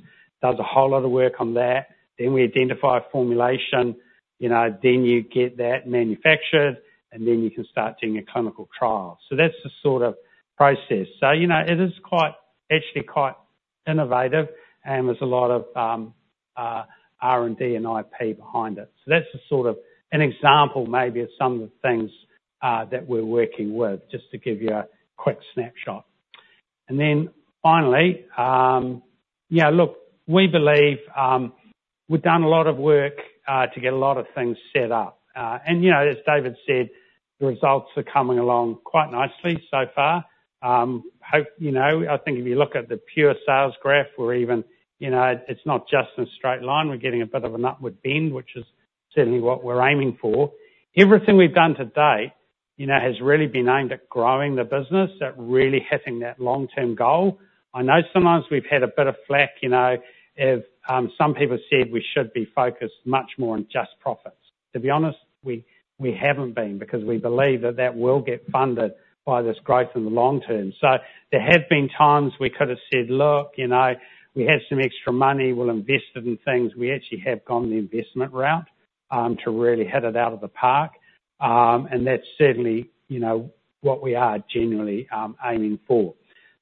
does a whole lot of work on that. Then we identify a formulation, then you get that manufactured, and then you can start doing a clinical trial. So that's the sort of process. So it is actually quite innovative, and there's a lot of R&D and IP behind it. So that's the sort of an example maybe of some of the things that we're working with, just to give you a quick snapshot. And then finally, look, we believe we've done a lot of work to get a lot of things set up. And as David said, the results are coming along quite nicely so far. I think if you look at the pure sales graph, it's not just a straight line. We're getting a bit of an upward bend, which is certainly what we're aiming for. Everything we've done to date has really been aimed at growing the business, at really hitting that long-term goal. I know sometimes we've had a bit of flak if some people said we should be focused much more on just profits. To be honest, we haven't been because we believe that that will get funded by this growth in the long term. There have been times we could have said, "Look, we have some extra money. We'll invest it in things." We actually have gone the investment route to really hit it out of the park, and that's certainly what we are genuinely aiming for.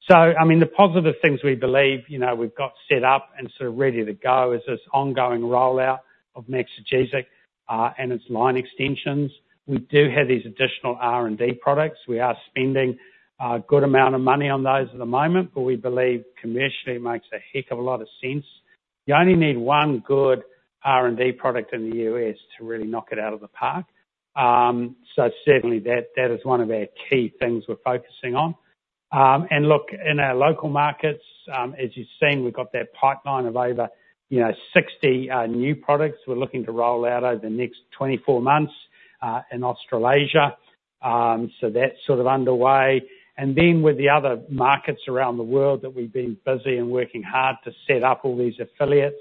I mean, the positive things we believe we've got set up and sort of ready to go is this ongoing rollout of Maxigesic and its line extensions. We do have these additional R&D products. We are spending a good amount of money on those at the moment, but we believe commercially it makes a heck of a lot of sense. You only need one good R&D product in the U.S. to really knock it out of the park. So certainly, that is one of our key things we're focusing on. And look, in our local markets, as you've seen, we've got that pipeline of over 60 new products we're looking to roll out over the next 24 months in Australasia. So that's sort of underway. And then with the other markets around the world that we've been busy and working hard to set up all these affiliates,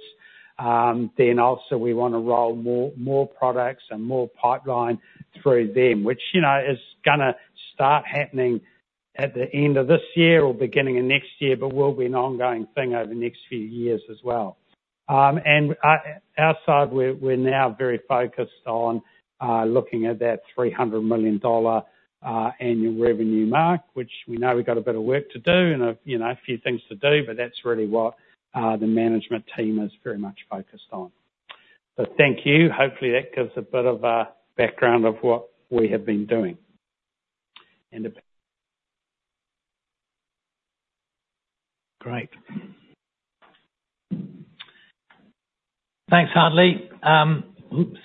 then also we want to roll more products and more pipeline through them, which is going to start happening at the end of this year or beginning of next year, but will be an ongoing thing over the next few years as well. And outside, we're now very focused on looking at that $300 million annual revenue mark, which we know we've got a bit of work to do and a few things to do, but that's really what the management team is very much focused on. But thank you. Hopefully, that gives a bit of a background of what we have been doing. Great. Thanks, Hartley. Oops.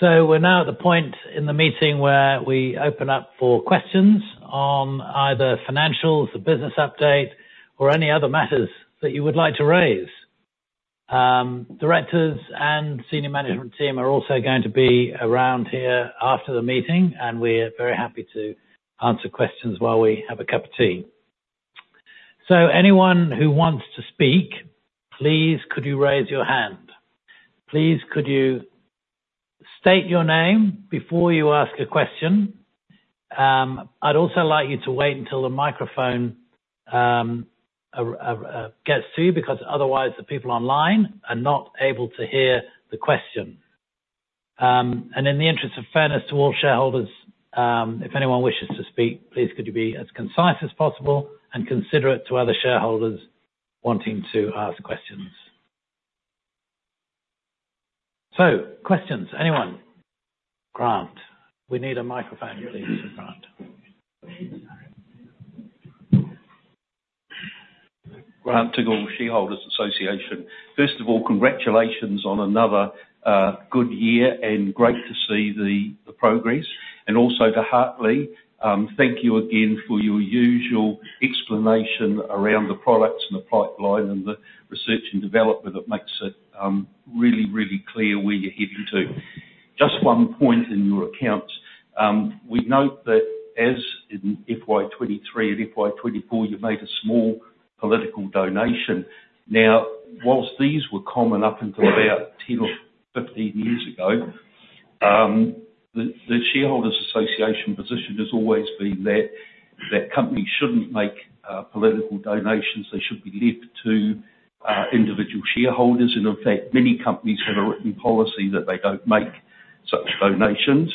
So we're now at the point in the meeting where we open up for questions on either financials, the business update, or any other matters that you would like to raise. Directors and senior management team are also going to be around here after the meeting, and we're very happy to answer questions while we have a cup of tea. So anyone who wants to speak, please, could you raise your hand? Please, could you state your name before you ask a question? I'd also like you to wait until the microphone gets to you because otherwise, the people online are not able to hear the question. And in the interest of fairness to all shareholders, if anyone wishes to speak, please, could you be as concise as possible and considerate to other shareholders wanting to ask questions? So questions, anyone? Grant. We need a microphone, please, for Grant. Grant Diggle, Shareholders Association. First of all, congratulations on another good year, and great to see the progress. And also to Hartley, thank you again for your usual explanation around the products and the pipeline and the research and development that makes it really, really clear where you're heading to. Just one point in your accounts. We note that as in FY 2023 and FY 2024, you've made a small political donation. Now, while these were common up until about 10 or 15 years ago, the Shareholders Association position has always been that companies shouldn't make political donations. They should be left to individual shareholders. And in fact, many companies have a written policy that they don't make such donations.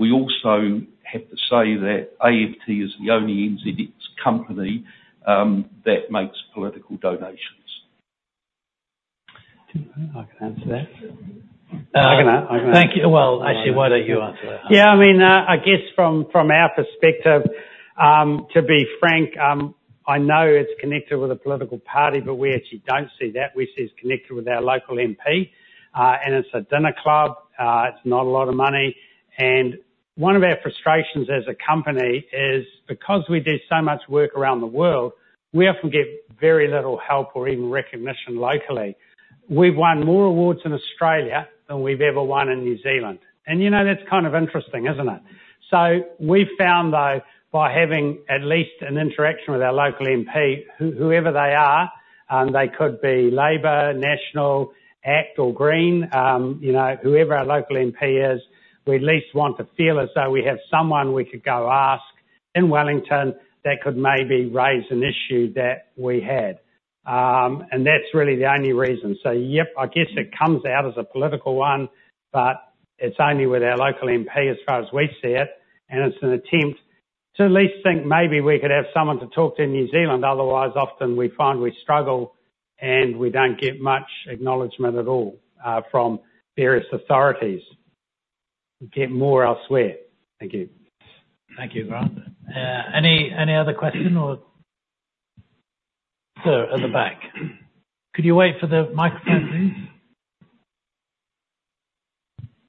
We also have to say that AFT is the only NZX company that makes political donations. I can answer that. I can answer. Thank you. Yeah. I mean, I guess from our perspective, to be frank, I know it's connected with a political party, but we actually don't see that. We see it's connected with our local MP, and it's a dinner club. It's not a lot of money. And one of our frustrations as a company is because we do so much work around the world, we often get very little help or even recognition locally. We've won more awards in Australia than we've ever won in New Zealand. And that's kind of interesting, isn't it? So we found, though, by having at least an interaction with our local MP, whoever they are, they could be Labour, National, ACT, or Green, whoever our local MP is, we at least want to feel as though we have someone we could go ask in Wellington that could maybe raise an issue that we had. That's really the only reason. So yep, I guess it comes out as a political one, but it's only with our local MP as far as we see it. And it's an attempt to at least think maybe we could have someone to talk to in New Zealand. Otherwise, often we find we struggle, and we don't get much acknowledgement at all from various authorities. Get more elsewhere. Thank you. Thank you, Grant. Any other question or? Sir at the back. Could you wait for the microphone,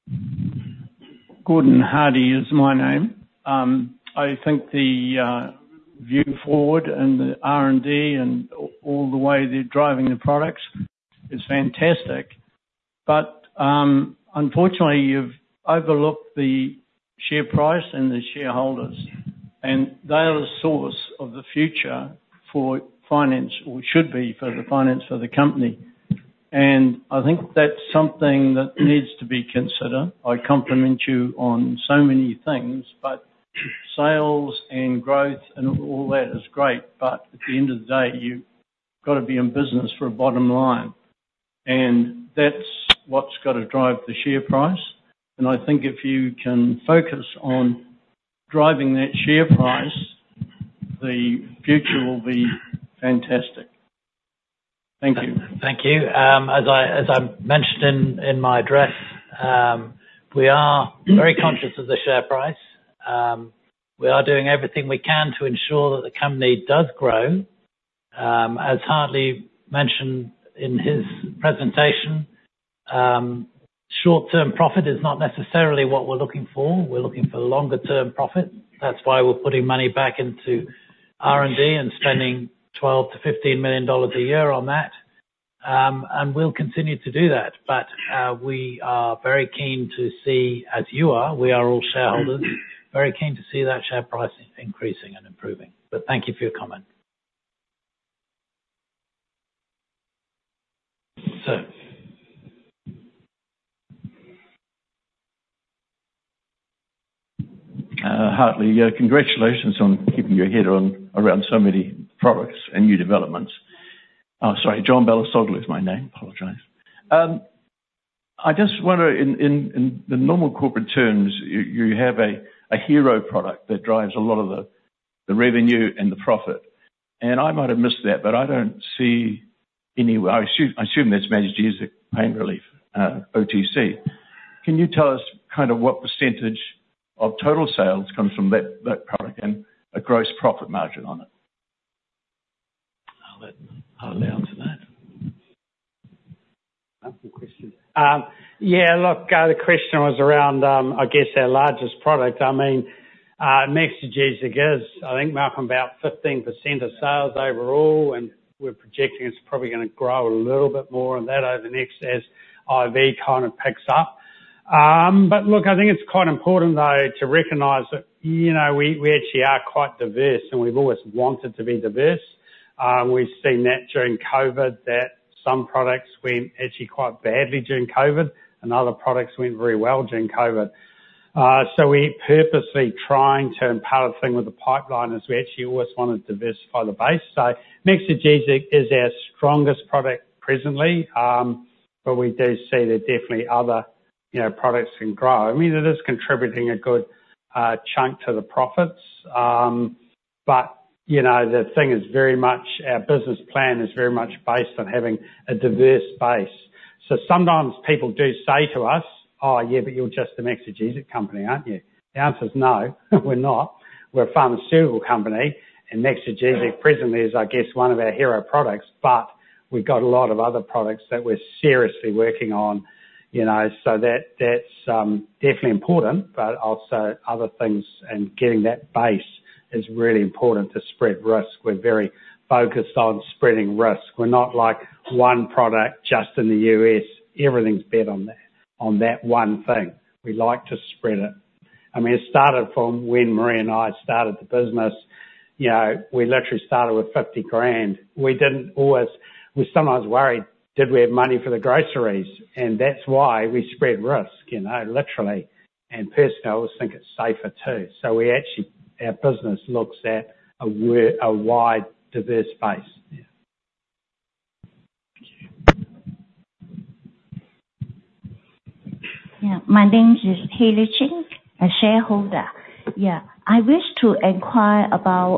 please? Gordon Hardy is my name. I think the view forward and the R&D and all the way they're driving the products is fantastic. But unfortunately, you've overlooked the share price and the shareholders. And they are the source of the future for finance or should be for the finance for the company. I think that's something that needs to be considered. I compliment you on so many things, but sales and growth and all that is great. At the end of the day, you've got to be in business for a bottom line. That's what's got to drive the share price. I think if you can focus on driving that share price, the future will be fantastic. Thank you. Thank you. As I mentioned in my address, we are very conscious of the share price. We are doing everything we can to ensure that the company does grow. As Hartley mentioned in his presentation, short-term profit is not necessarily what we're looking for. We're looking for longer-term profits. That's why we're putting money back into R&D and spending $12 million-$15 million a year on that. We'll continue to do that. But we are very keen to see, as you are, we are all shareholders, very keen to see that share price increasing and improving. But thank you for your comment. Sir. Hartley, congratulations on keeping your head around so many products and new developments. Sorry, John Balasoglou is my name. Apologize. I just want to, in the normal corporate terms, you have a hero product that drives a lot of the revenue and the profit. And I might have missed that, but I don't see any, I assume that's Maxigesic Pain Relief OTC. Can you tell us kind of what percentage of total sales comes from that product and a gross profit margin on it? I'll allow for that. Ample questions. Yeah. Look, the question was around, I guess, our largest product. I mean, Maxigesic is, I think, making about 15% of sales overall, and we're projecting it's probably going to grow a little bit more on that over the next as IV kind of picks up. But look, I think it's quite important, though, to recognize that we actually are quite diverse, and we've always wanted to be diverse. We've seen that during COVID, that some products went actually quite badly during COVID, and other products went very well during COVID. So we're purposely trying to, and part of the thing with the pipeline is we actually always wanted to diversify the base. So Maxigesic is our strongest product presently, but we do see that definitely other products can grow. I mean, it is contributing a good chunk to the profits. But the thing is very much, our business plan is very much based on having a diverse base. So sometimes people do say to us, "Oh, yeah, but you're just a Maxigesic company, aren't you?" The answer is no. We're not. We're a pharmaceutical company, and Maxigesic presently is, I guess, one of our hero products. But we've got a lot of other products that we're seriously working on. So that's definitely important, but also other things and getting that base is really important to spread risk. We're very focused on spreading risk. We're not like one product just in the U.S. Everything's bet on that one thing. We like to spread it. I mean, it started from when Marree and I started the business. We literally started with 50,000. We didn't always, we sometimes worried, "Did we have money for the groceries?" And that's why we spread risk, literally. And personally, I always think it's safer too. So our business looks at a wide, diverse base. Yeah. My name is Haley Ching, a shareholder. Yeah. I wish to inquire about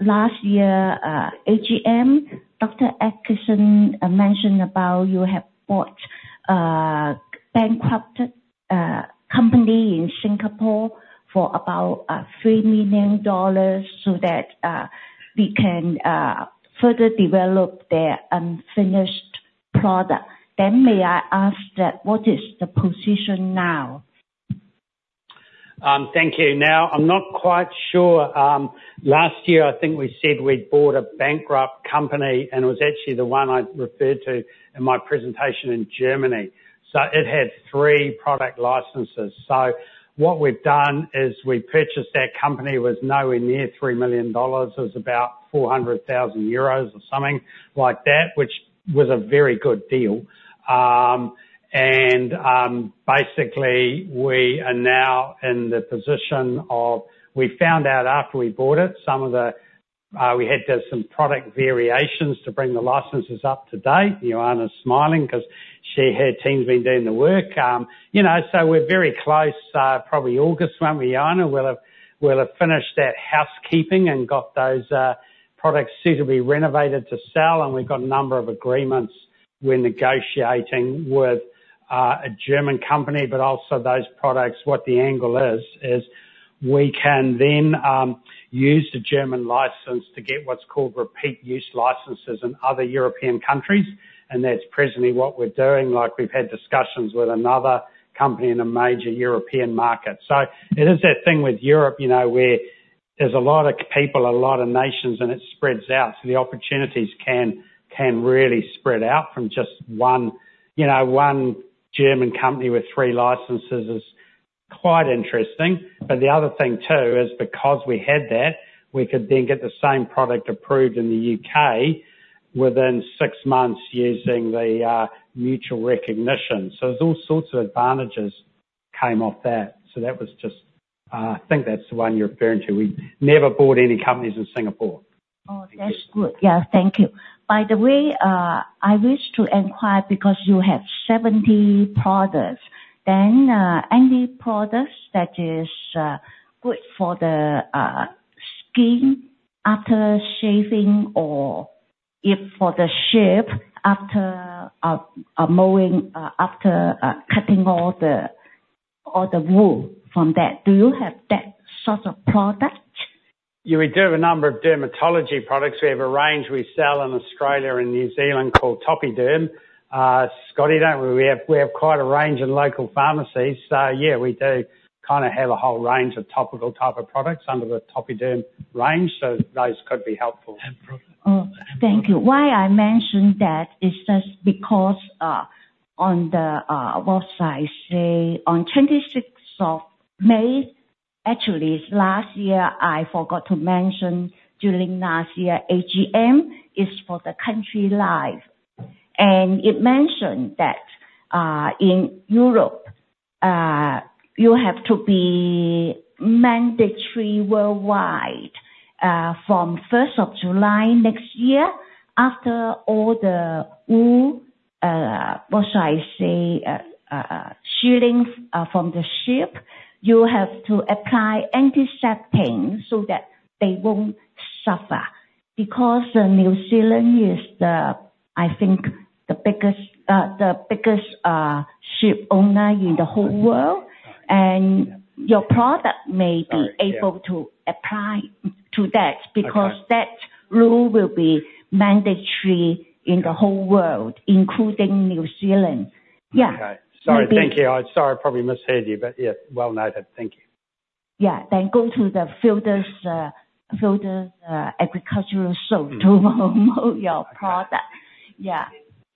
last year, AGM. Dr. Atkinson mentioned about you have bought a bankrupt company in Singapore for about $3 million so that we can further develop their unfinished product. Then may I ask that what is the position now? Thank you. Now, I'm not quite sure. Last year, I think we said we'd bought a bankrupt company, and it was actually the one I referred to in my presentation in Germany. So what we've done is we purchased that company with nowhere near $3 million. It was about 400,000 euros or something like that, which was a very good deal. And basically, we are now in the position of we found out after we bought it, some of the, we had to do some product variations to bring the licenses up to date. Loana's smiling because she had teams been doing the work. So we're very close. Probably August, won't we, loana? We'll have finished that housekeeping and got those products suitably renovated to sell. And we've got a number of agreements. We're negotiating with a German company, but also those products, what the angle is, is we can then use the German license to get what's called repeat-use licenses in other European countries. And that's presently what we're doing. We've had discussions with another company in a major European market. So it is that thing with Europe where there's a lot of people, a lot of nations, and it spreads out. So the opportunities can really spread out from just one German company with three licenses is quite interesting. But the other thing too is because we had that, we could then get the same product approved in the U.K. within 6 months using the mutual recognition. So there's all sorts of advantages that came off that. So that was just, I think that's the one you're referring to. We never bought any companies in Singapore. Oh, that's good. Yeah. Thank you. By the way, I wish to inquire because you have 70 products. Then any products that are good for the skin after shaving or for the sheep after mowing, after cutting all the wool from that? Do you have that sort of product? Yeah. We do have a number of dermatology products. We have a range we sell in Australia and New Zealand called Topiderm. Scotty, don't we? We have quite a range in local pharmacies. So yeah, we do kind of have a whole range of topical type of products under the Topiderm range. So those could be helpful. Thank you. Why I mentioned that is just because on the website, say, on 26th of May, actually, last year, I forgot to mention during last year, AGM livestream. And it mentioned that in Europe, you have to be mandatory worldwide from 1st of July next year. After all the wool, what shall I say, shedding from the sheep, you have to apply antiseptic so that they won't suffer. Because New Zealand is, I think, the biggest sheep owner in the whole world. And your product may be able to apply to that because that rule will be mandatory in the whole world, including New Zealand. Yeah. Okay. Sorry. Thank you. Sorry, I probably misheard you. But yeah, well noted. Thank you. Yeah. Then go to the Fieldays Agricultural Show to mow your product. Yeah.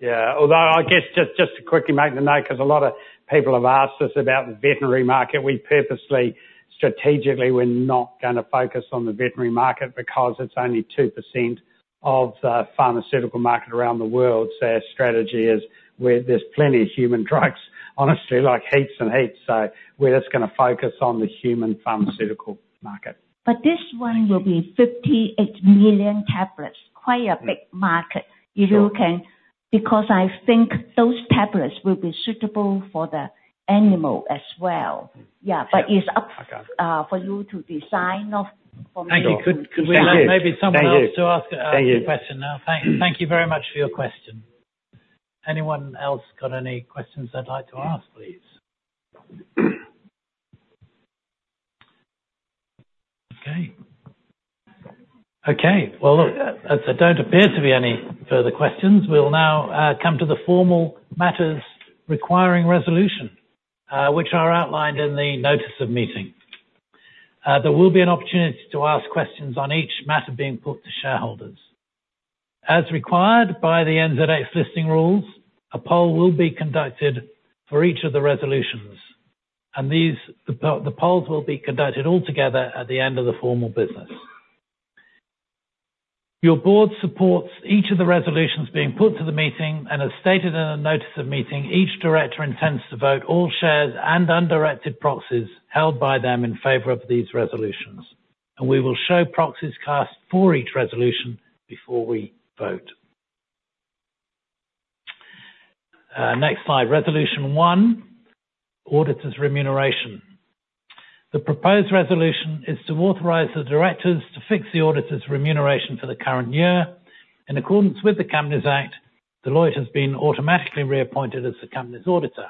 Yeah. Although, I guess just to quickly make the note because a lot of people have asked us about the veterinary market. We purposely, strategically, we're not going to focus on the veterinary market because it's only 2% of the pharmaceutical market around the world. So our strategy is where there's plenty of human drugs, honestly, like heaps and heaps. So we're just going to focus on the human pharmaceutical market. But this one will be 58 million tablets. Quite a big market. Because I think those tablets will be suitable for the animal as well. Yeah. But it's up for you to decide for me. Thank you. Could we have maybe someone else to ask a question now? Thank you very much for your question. Anyone else got any questions they'd like to ask, please? Okay. Okay. Well, look, as there don't appear to be any further questions, we'll now come to the formal matters requiring resolution, which are outlined in the notice of meeting. There will be an opportunity to ask questions on each matter being put to shareholders. As required by the NZX Listing Rules, a poll will be conducted for each of the resolutions. And the polls will be conducted all together at the end of the formal business. Your board supports each of the resolutions being put to the meeting and has stated in a notice of meeting each director intends to vote all shares and undirected proxies held by them in favor of these resolutions. And we will show proxies cast for each resolution before we vote. Next slide. Resolution 1, Auditor's Remuneration. The proposed resolution is to authorize the directors to fix the auditor's remuneration for the current year. In accordance with the Companies Act, Deloitte has been automatically reappointed as the company's auditor.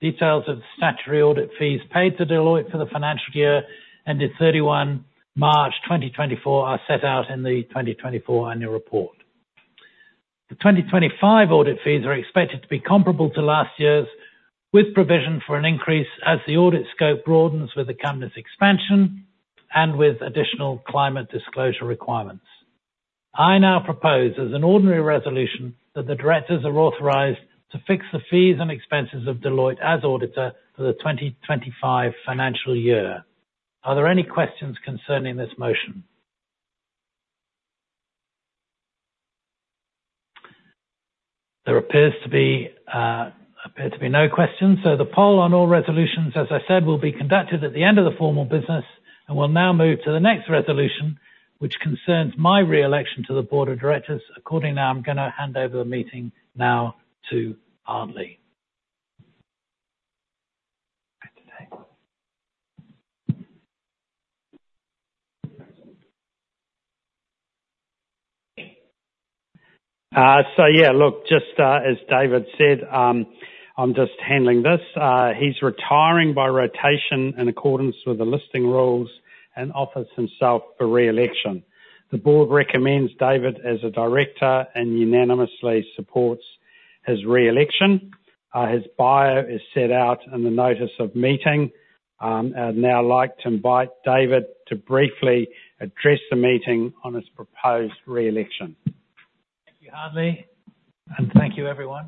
Details of statutory audit fees paid to Deloitte for the financial year ended 31 March 2024 are set out in the 2024 annual report. The 2025 audit fees are expected to be comparable to last year's with provision for an increase as the audit scope broadens with the company's expansion and with additional climate disclosure requirements. I now propose as an ordinary resolution that the directors are authorized to fix the fees and expenses of Deloitte as auditor for the 2025 financial year. Are there any questions concerning this motion? There appears to be no questions. So the poll on all resolutions, as I said, will be conducted at the end of the formal business. And we'll now move to the next resolution, which concerns my reelection to the board of directors. Accordingly, I'm going to hand over the meeting now to Hartley. So yeah, look, just as David said, I'm just handling this. He's retiring by rotation in accordance with the listing rules and offers himself for reelection. The board recommends David as a director and unanimously supports his reelection. His bio is set out in the notice of meeting. I'd now like to invite David to briefly address the meeting on his proposed reelection. Thank you, Hartley. And thank you, everyone.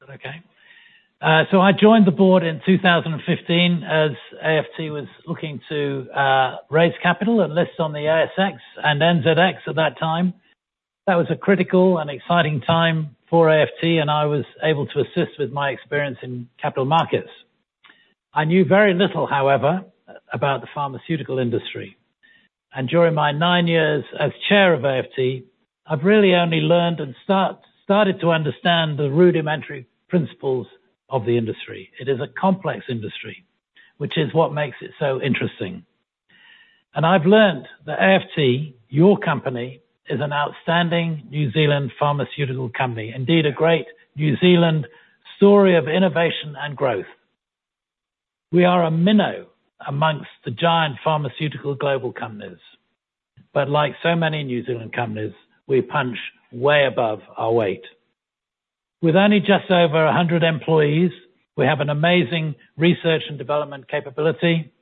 Is that okay? So I joined the board in 2015 as AFT was looking to raise capital and list on the ASX and NZX at that time. That was a critical and exciting time for AFT, and I was able to assist with my experience in capital markets. I knew very little, however, about the pharmaceutical industry. During my nine years as chair of AFT, I've really only learned and started to understand the rudimentary principles of the industry. It is a complex industry, which is what makes it so interesting. I've learned that AFT, your company, is an outstanding New Zealand pharmaceutical company, indeed a great New Zealand story of innovation and growth. We are a minnow amongst the giant pharmaceutical global companies. Like so many New Zealand companies, we punch way above our weight. With only just over 100 employees, we have an amazing research and development capability,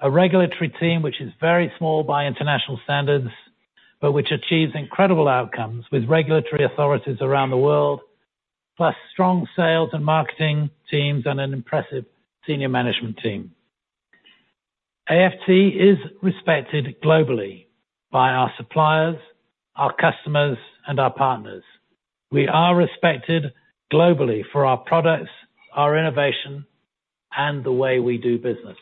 a regulatory team which is very small by international standards, but which achieves incredible outcomes with regulatory authorities around the world, plus strong sales and marketing teams and an impressive senior management team. AFT is respected globally by our suppliers, our customers, and our partners. We are respected globally for our products, our innovation, and the way we do business.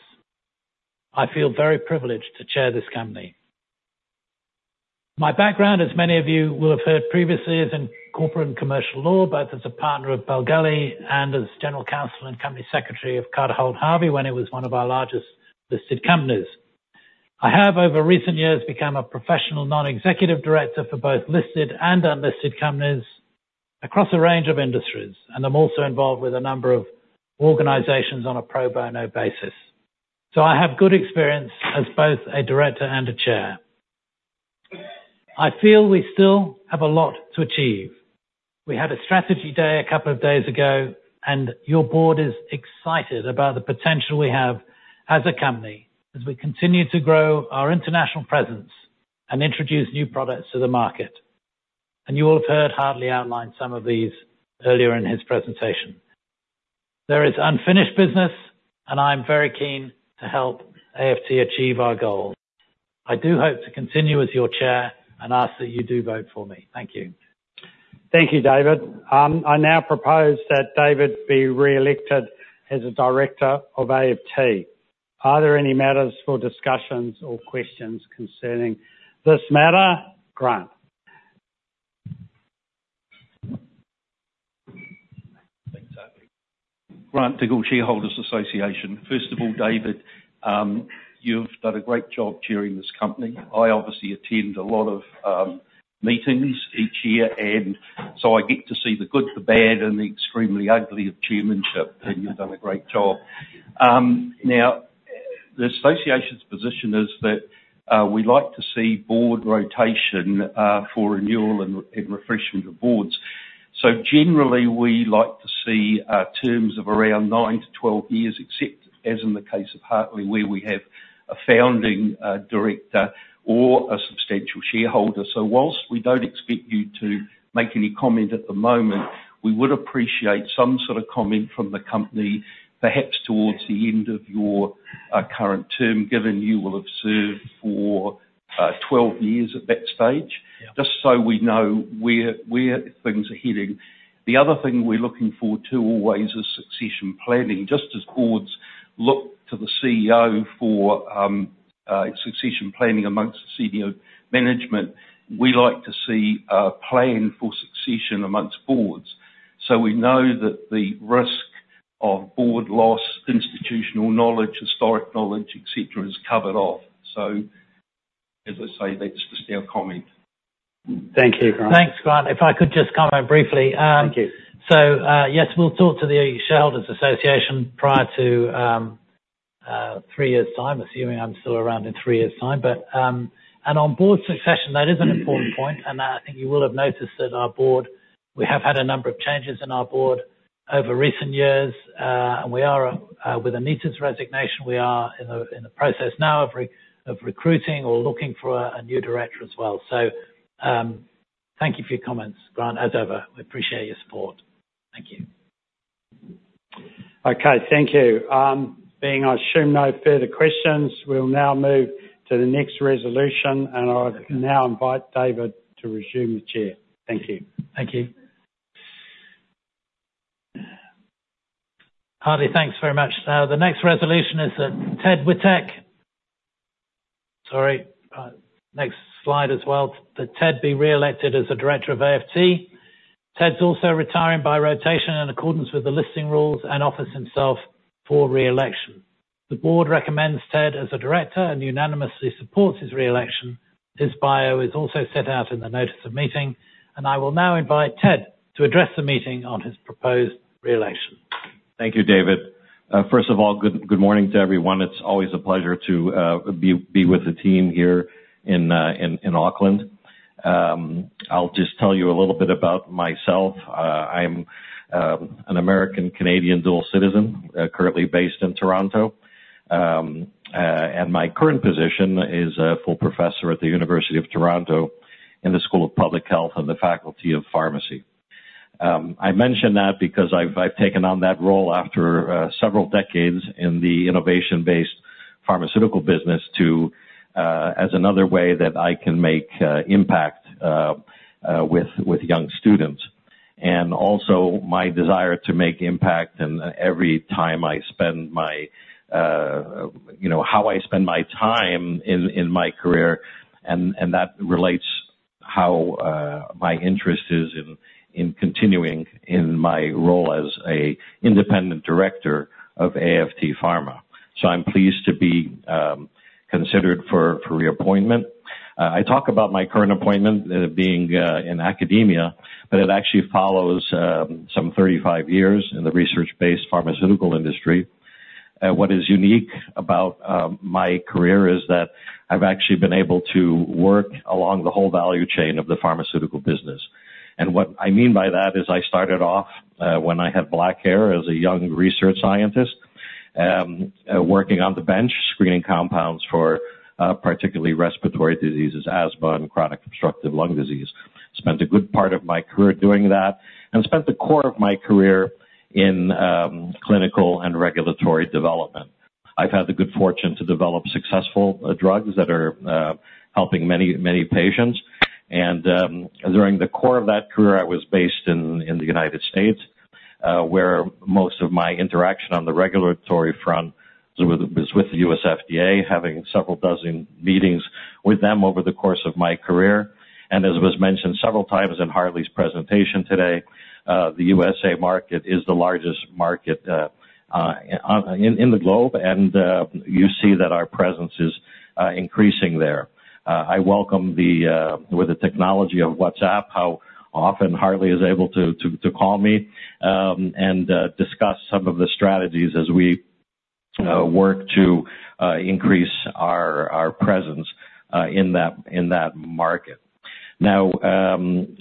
I feel very privileged to chair this company. My background, as many of you will have heard previously, is in corporate and commercial law, both as a partner of Bell Gully and as general counsel and company secretary of Carter Holt Harvey when it was one of our largest listed companies. I have, over recent years, become a professional non-executive director for both listed and unlisted companies across a range of industries. I'm also involved with a number of organizations on a pro bono basis. I have good experience as both a director and a chair. I feel we still have a lot to achieve. We had a strategy day a couple of days ago, and your board is excited about the potential we have as a company as we continue to grow our international presence and introduce new products to the market. You will have heard Hartley outline some of these earlier in his presentation. There is unfinished business, and I'm very keen to help AFT achieve our goal. I do hope to continue as your chair and ask that you do vote for me. Thank you. Thank you, David. I now propose that David be reelected as a director of AFT. Are there any matters for discussions or questions concerning this matter? Grant. Grant Diggle, Shareholders Association. First of all, David, you've done a great job chairing this company. I obviously attend a lot of meetings each year, and so I get to see the good, the bad, and the extremely ugly of chairmanship. You've done a great job. Now, the association's position is that we like to see board rotation for renewal and refreshment of boards. So generally, we like to see terms of around nine to 12 years, except as in the case of Hartley, where we have a founding director or a substantial shareholder. So while we don't expect you to make any comment at the moment, we would appreciate some sort of comment from the company, perhaps towards the end of your current term, given you will have served for 12 years at that stage, just so we know where things are heading. The other thing we're looking forward to always is succession planning. Just as boards look to the CEO for succession planning among the senior management, we like to see a plan for succession among boards. So we know that the risk of board loss, institutional knowledge, historic knowledge, etc., is covered off. So as I say, that's just our comment. Thank you, Grant. Thanks, Grant. If I could just comment briefly. Thank you. So yes, we'll talk to the Shareholders Association prior to three years' time, assuming I'm still around in three years' time. On board succession, that is an important point. I think you will have noticed that our board, we have had a number of changes in our board over recent years. With Anita's resignation, we are in the process now of recruiting or looking for a new director as well. So thank you for your comments, Grant, as ever. We appreciate your support. Thank you. Okay. Thank you. Being I assume no further questions, we'll now move to the next resolution. I'll now invite David to resume as chair. Thank you. Thank you. Hartley, thanks very much. Now, the next resolution is that Ted Witek sorry. Next slide as well. Ted be reelected as a director of AFT. Ted's also retiring by rotation in accordance with the listing rules and offers himself for reelection. The board recommends Ted as a director and unanimously supports his reelection. His bio is also set out in the notice of meeting. I will now invite Ted to address the meeting on his proposed reelection. Thank you, David. First of all, good morning to everyone. It's always a pleasure to be with the team here in Auckland. I'll just tell you a little bit about myself. I'm an American-Canadian dual citizen, currently based in Toronto. My current position is a full professor at the University of Toronto in the School of Public Health and the Faculty of Pharmacy. I mention that because I've taken on that role after several decades in the innovation-based pharmaceutical business as another way that I can make impact with young students. Also, my desire to make impact and every time I spend my how I spend my time in my career. That relates how my interest is in continuing in my role as an independent director of AFT Pharma. I'm pleased to be considered for reappointment. I talk about my current appointment being in academia, but it actually follows some 35 years in the research-based pharmaceutical industry. What is unique about my career is that I've actually been able to work along the whole value chain of the pharmaceutical business. What I mean by that is I started off when I had black hair as a young research scientist working on the bench screening compounds for particularly respiratory diseases, asthma, and chronic obstructive lung disease. Spent a good part of my career doing that and spent the core of my career in clinical and regulatory development. I've had the good fortune to develop successful drugs that are helping many, many patients. During the core of that career, I was based in the United States, where most of my interaction on the regulatory front was with the U.S. FDA, having several dozen meetings with them over the course of my career. As was mentioned several times in Hartley's presentation today, the USA market is the largest market in the globe. You see that our presence is increasing there. I welcome the technology of WhatsApp, how often Hartley is able to call me and discuss some of the strategies as we work to increase our presence in that market. Now,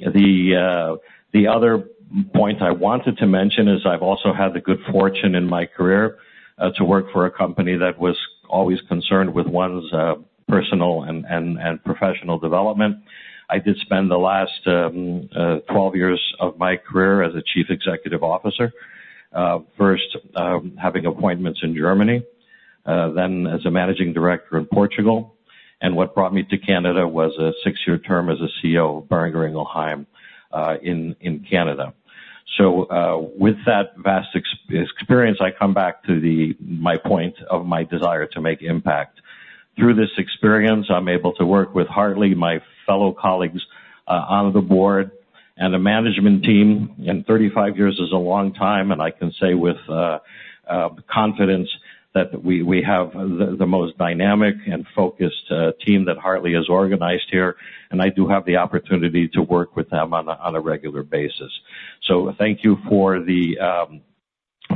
the other point I wanted to mention is I've also had the good fortune in my career to work for a company that was always concerned with one's personal and professional development. I did spend the last 12 years of my career as a chief executive officer, first having appointments in Germany, then as a managing director in Portugal. And what brought me to Canada was a 6-year term as a CEO of Boehringer Ingelheim in Canada. So with that vast experience, I come back to my point of my desire to make impact. Through this experience, I'm able to work with Hartley, my fellow colleagues on the board, and the management team. 35 years is a long time. I can say with confidence that we have the most dynamic and focused team that Hartley has organized here. I do have the opportunity to work with them on a regular basis. Thank you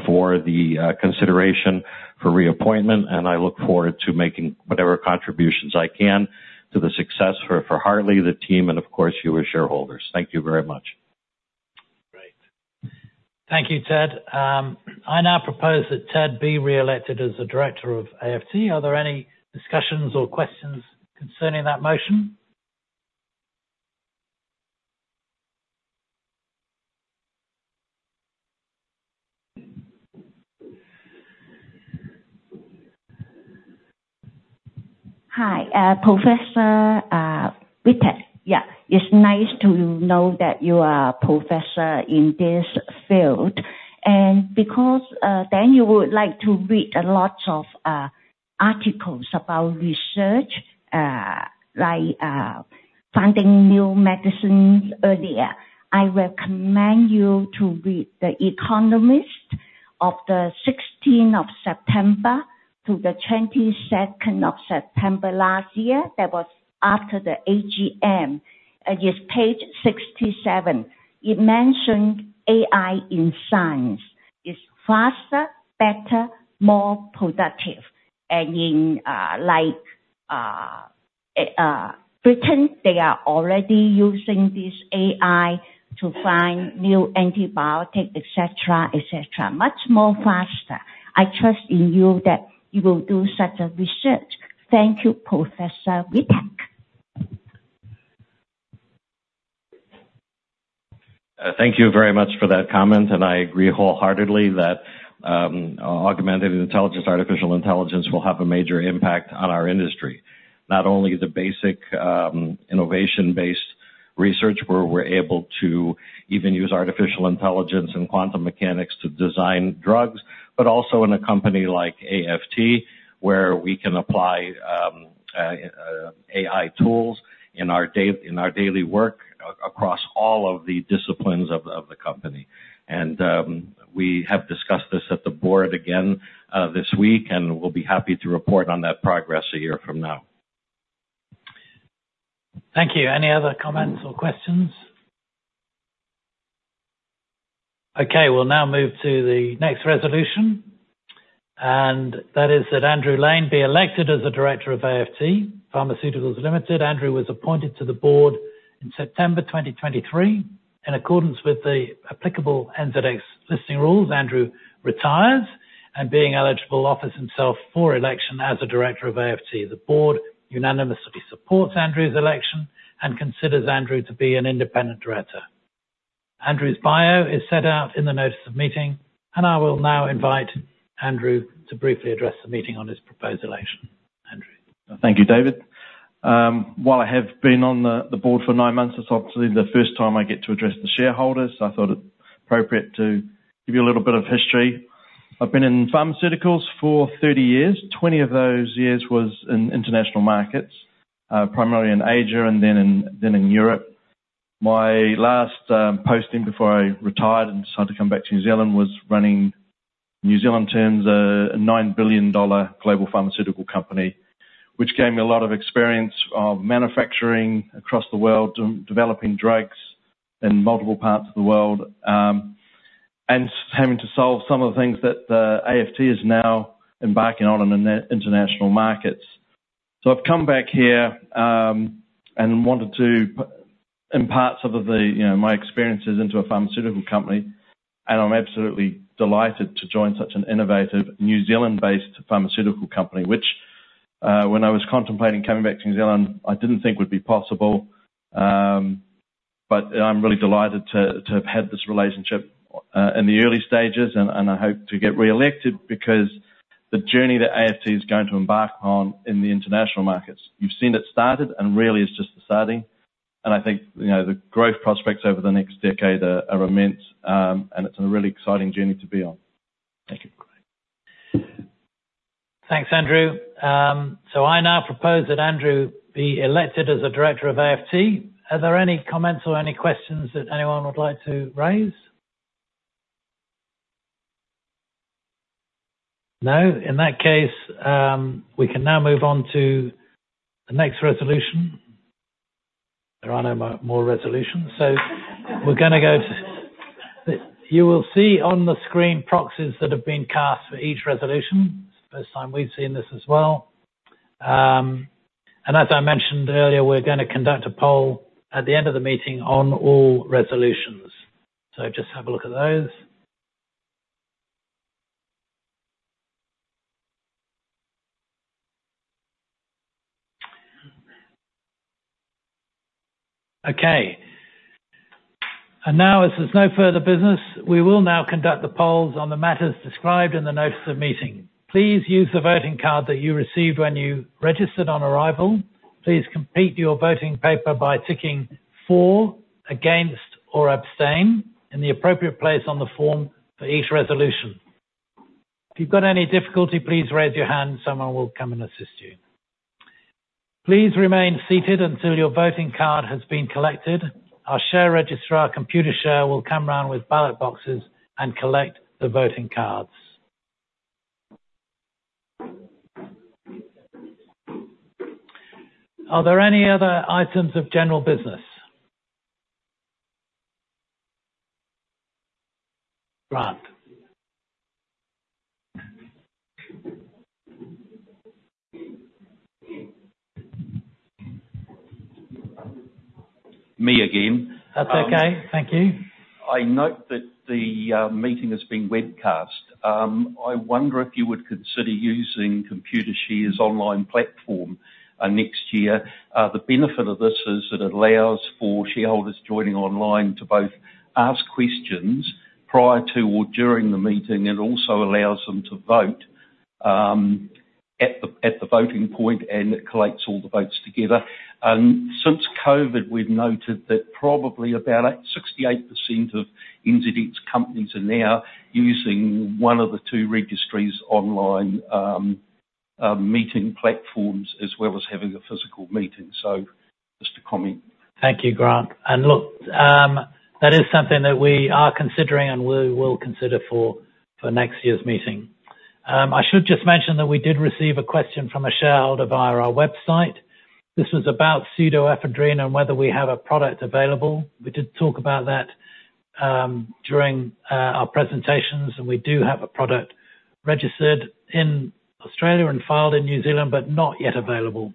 for the consideration for reappointment. I look forward to making whatever contributions I can to the success for Hartley, the team, and of course, you as shareholders. Thank you very much. Great. Thank you, Ted. I now propose that Ted be reelected as the director of AFT. Are there any discussions or questions concerning that motion? Hi, Professor Witek. Yeah. It's nice to know that you are a professor in this field. And because then you would like to read lots of articles about research, like Funding New Medicine earlier, I recommend you to read The Economist of the 16th of September to the 22nd of September last year. That was after the AGM. And it's page 67. It mentioned AI in science. It's faster, better, more productive. And in Britain, they are already using this AI to find new antibiotics, etc., etc., much more faster. I trust in you that you will do such a research. Thank you, Professor Witek. Thank you very much for that comment. I agree wholeheartedly that augmented intelligence, artificial intelligence, will have a major impact on our industry. Not only the basic innovation-based research where we're able to even use artificial intelligence and quantum mechanics to design drugs, but also in a company like AFT, where we can apply AI tools in our daily work across all of the disciplines of the company. We have discussed this at the board again this week. We'll be happy to report on that progress a year from now. Thank you. Any other comments or questions? Okay. We'll now move to the next resolution. That is that Andrew Lane be elected as the director of AFT Pharmaceuticals Limited. Andrew was appointed to the board in September 2023. In accordance with the applicable NZX listing rules, Andrew retires and being eligible, offers himself for election as a director of AFT. The board unanimously supports Andrew's election and considers Andrew to be an independent director. Andrew's bio is set out in the notice of meeting. I will now invite Andrew to briefly address the meeting on his proposed election. Andrew. Thank you, David. While I have been on the board for 9 months, it's obviously the first time I get to address the shareholders. I thought it appropriate to give you a little bit of history. I've been in pharmaceuticals for 30 years. 20 of those years was in international markets, primarily in Asia and then in Europe. My last posting before I retired and decided to come back to New Zealand was running, New Zealand terms, a $9 billion global pharmaceutical company, which gave me a lot of experience of manufacturing across the world, developing drugs in multiple parts of the world, and having to solve some of the things that AFT is now embarking on in international markets. So I've come back here and wanted to impart some of my experiences into a pharmaceutical company. And I'm absolutely delighted to join such an innovative New Zealand-based pharmaceutical company, which, when I was contemplating coming back to New Zealand, I didn't think would be possible. But I'm really delighted to have had this relationship in the early stages. And I hope to get reelected because the journey that AFT is going to embark on in the international markets, you've seen it started and really is just the starting. And I think the growth prospects over the next decade are immense. And it's a really exciting journey to be on. Thank you. Thanks, Andrew. So I now propose that Andrew be elected as a director of AFT. Are there any comments or any questions that anyone would like to raise? No? In that case, we can now move on to the next resolution. There are no more resolutions. So we're going to go to you will see on the screen proxies that have been cast for each resolution. It's the first time we've seen this as well. And as I mentioned earlier, we're going to conduct a poll at the end of the meeting on all resolutions. So just have a look at those. Okay. And now, as there's no further business, we will now conduct the polls on the matters described in the notice of meeting. Please use the voting card that you received when you registered on arrival. Please complete your voting paper by ticking for, against, or abstain in the appropriate place on the form for each resolution. If you've got any difficulty, please raise your hand. Someone will come and assist you. Please remain seated until your voting card has been collected. Our share registrar, Computershare, will come round with ballot boxes and collect the voting cards. Are there any other items of general business? Grant. Me again. That's okay. Thank you. I note that the meeting has been webcast. I wonder if you would consider using Computershare's online platform next year. The benefit of this is it allows for shareholders joining online to both ask questions prior to or during the meeting and also allows them to vote at the voting point. And it collects all the votes together. Since COVID, we've noted that probably about 68% of NZX companies are now using one of the two registries online meeting platforms as well as having a physical meeting. So just a comment. Thank you, Grant. And look, that is something that we are considering and we will consider for next year's meeting. I should just mention that we did receive a question from a shareholder via our website. This was about pseudoephedrine and whether we have a product available. We did talk about that during our presentations. And we do have a product registered in Australia and filed in New Zealand, but not yet available.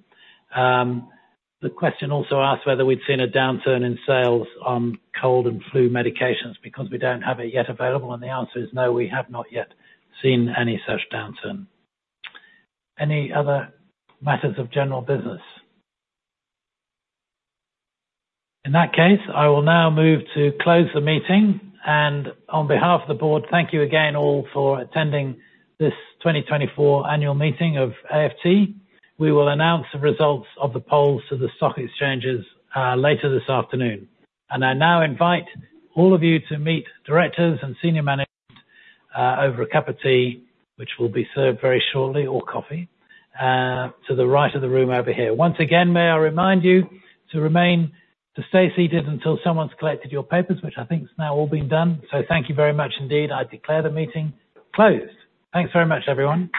The question also asked whether we'd seen a downturn in sales on cold and flu medications because we don't have it yet available. And the answer is no, we have not yet seen any such downturn. Any other matters of general business? In that case, I will now move to close the meeting. And on behalf of the board, thank you again all for attending this 2024 annual meeting of AFT. We will announce the results of the polls to the stock exchanges later this afternoon. I now invite all of you to meet directors and senior management over a cup of tea, which will be served very shortly, or coffee, to the right of the room over here. Once again, may I remind you to stay seated until someone's collected your papers, which I think has now all been done. Thank you very much indeed. I declare the meeting closed. Thanks very much, everyone.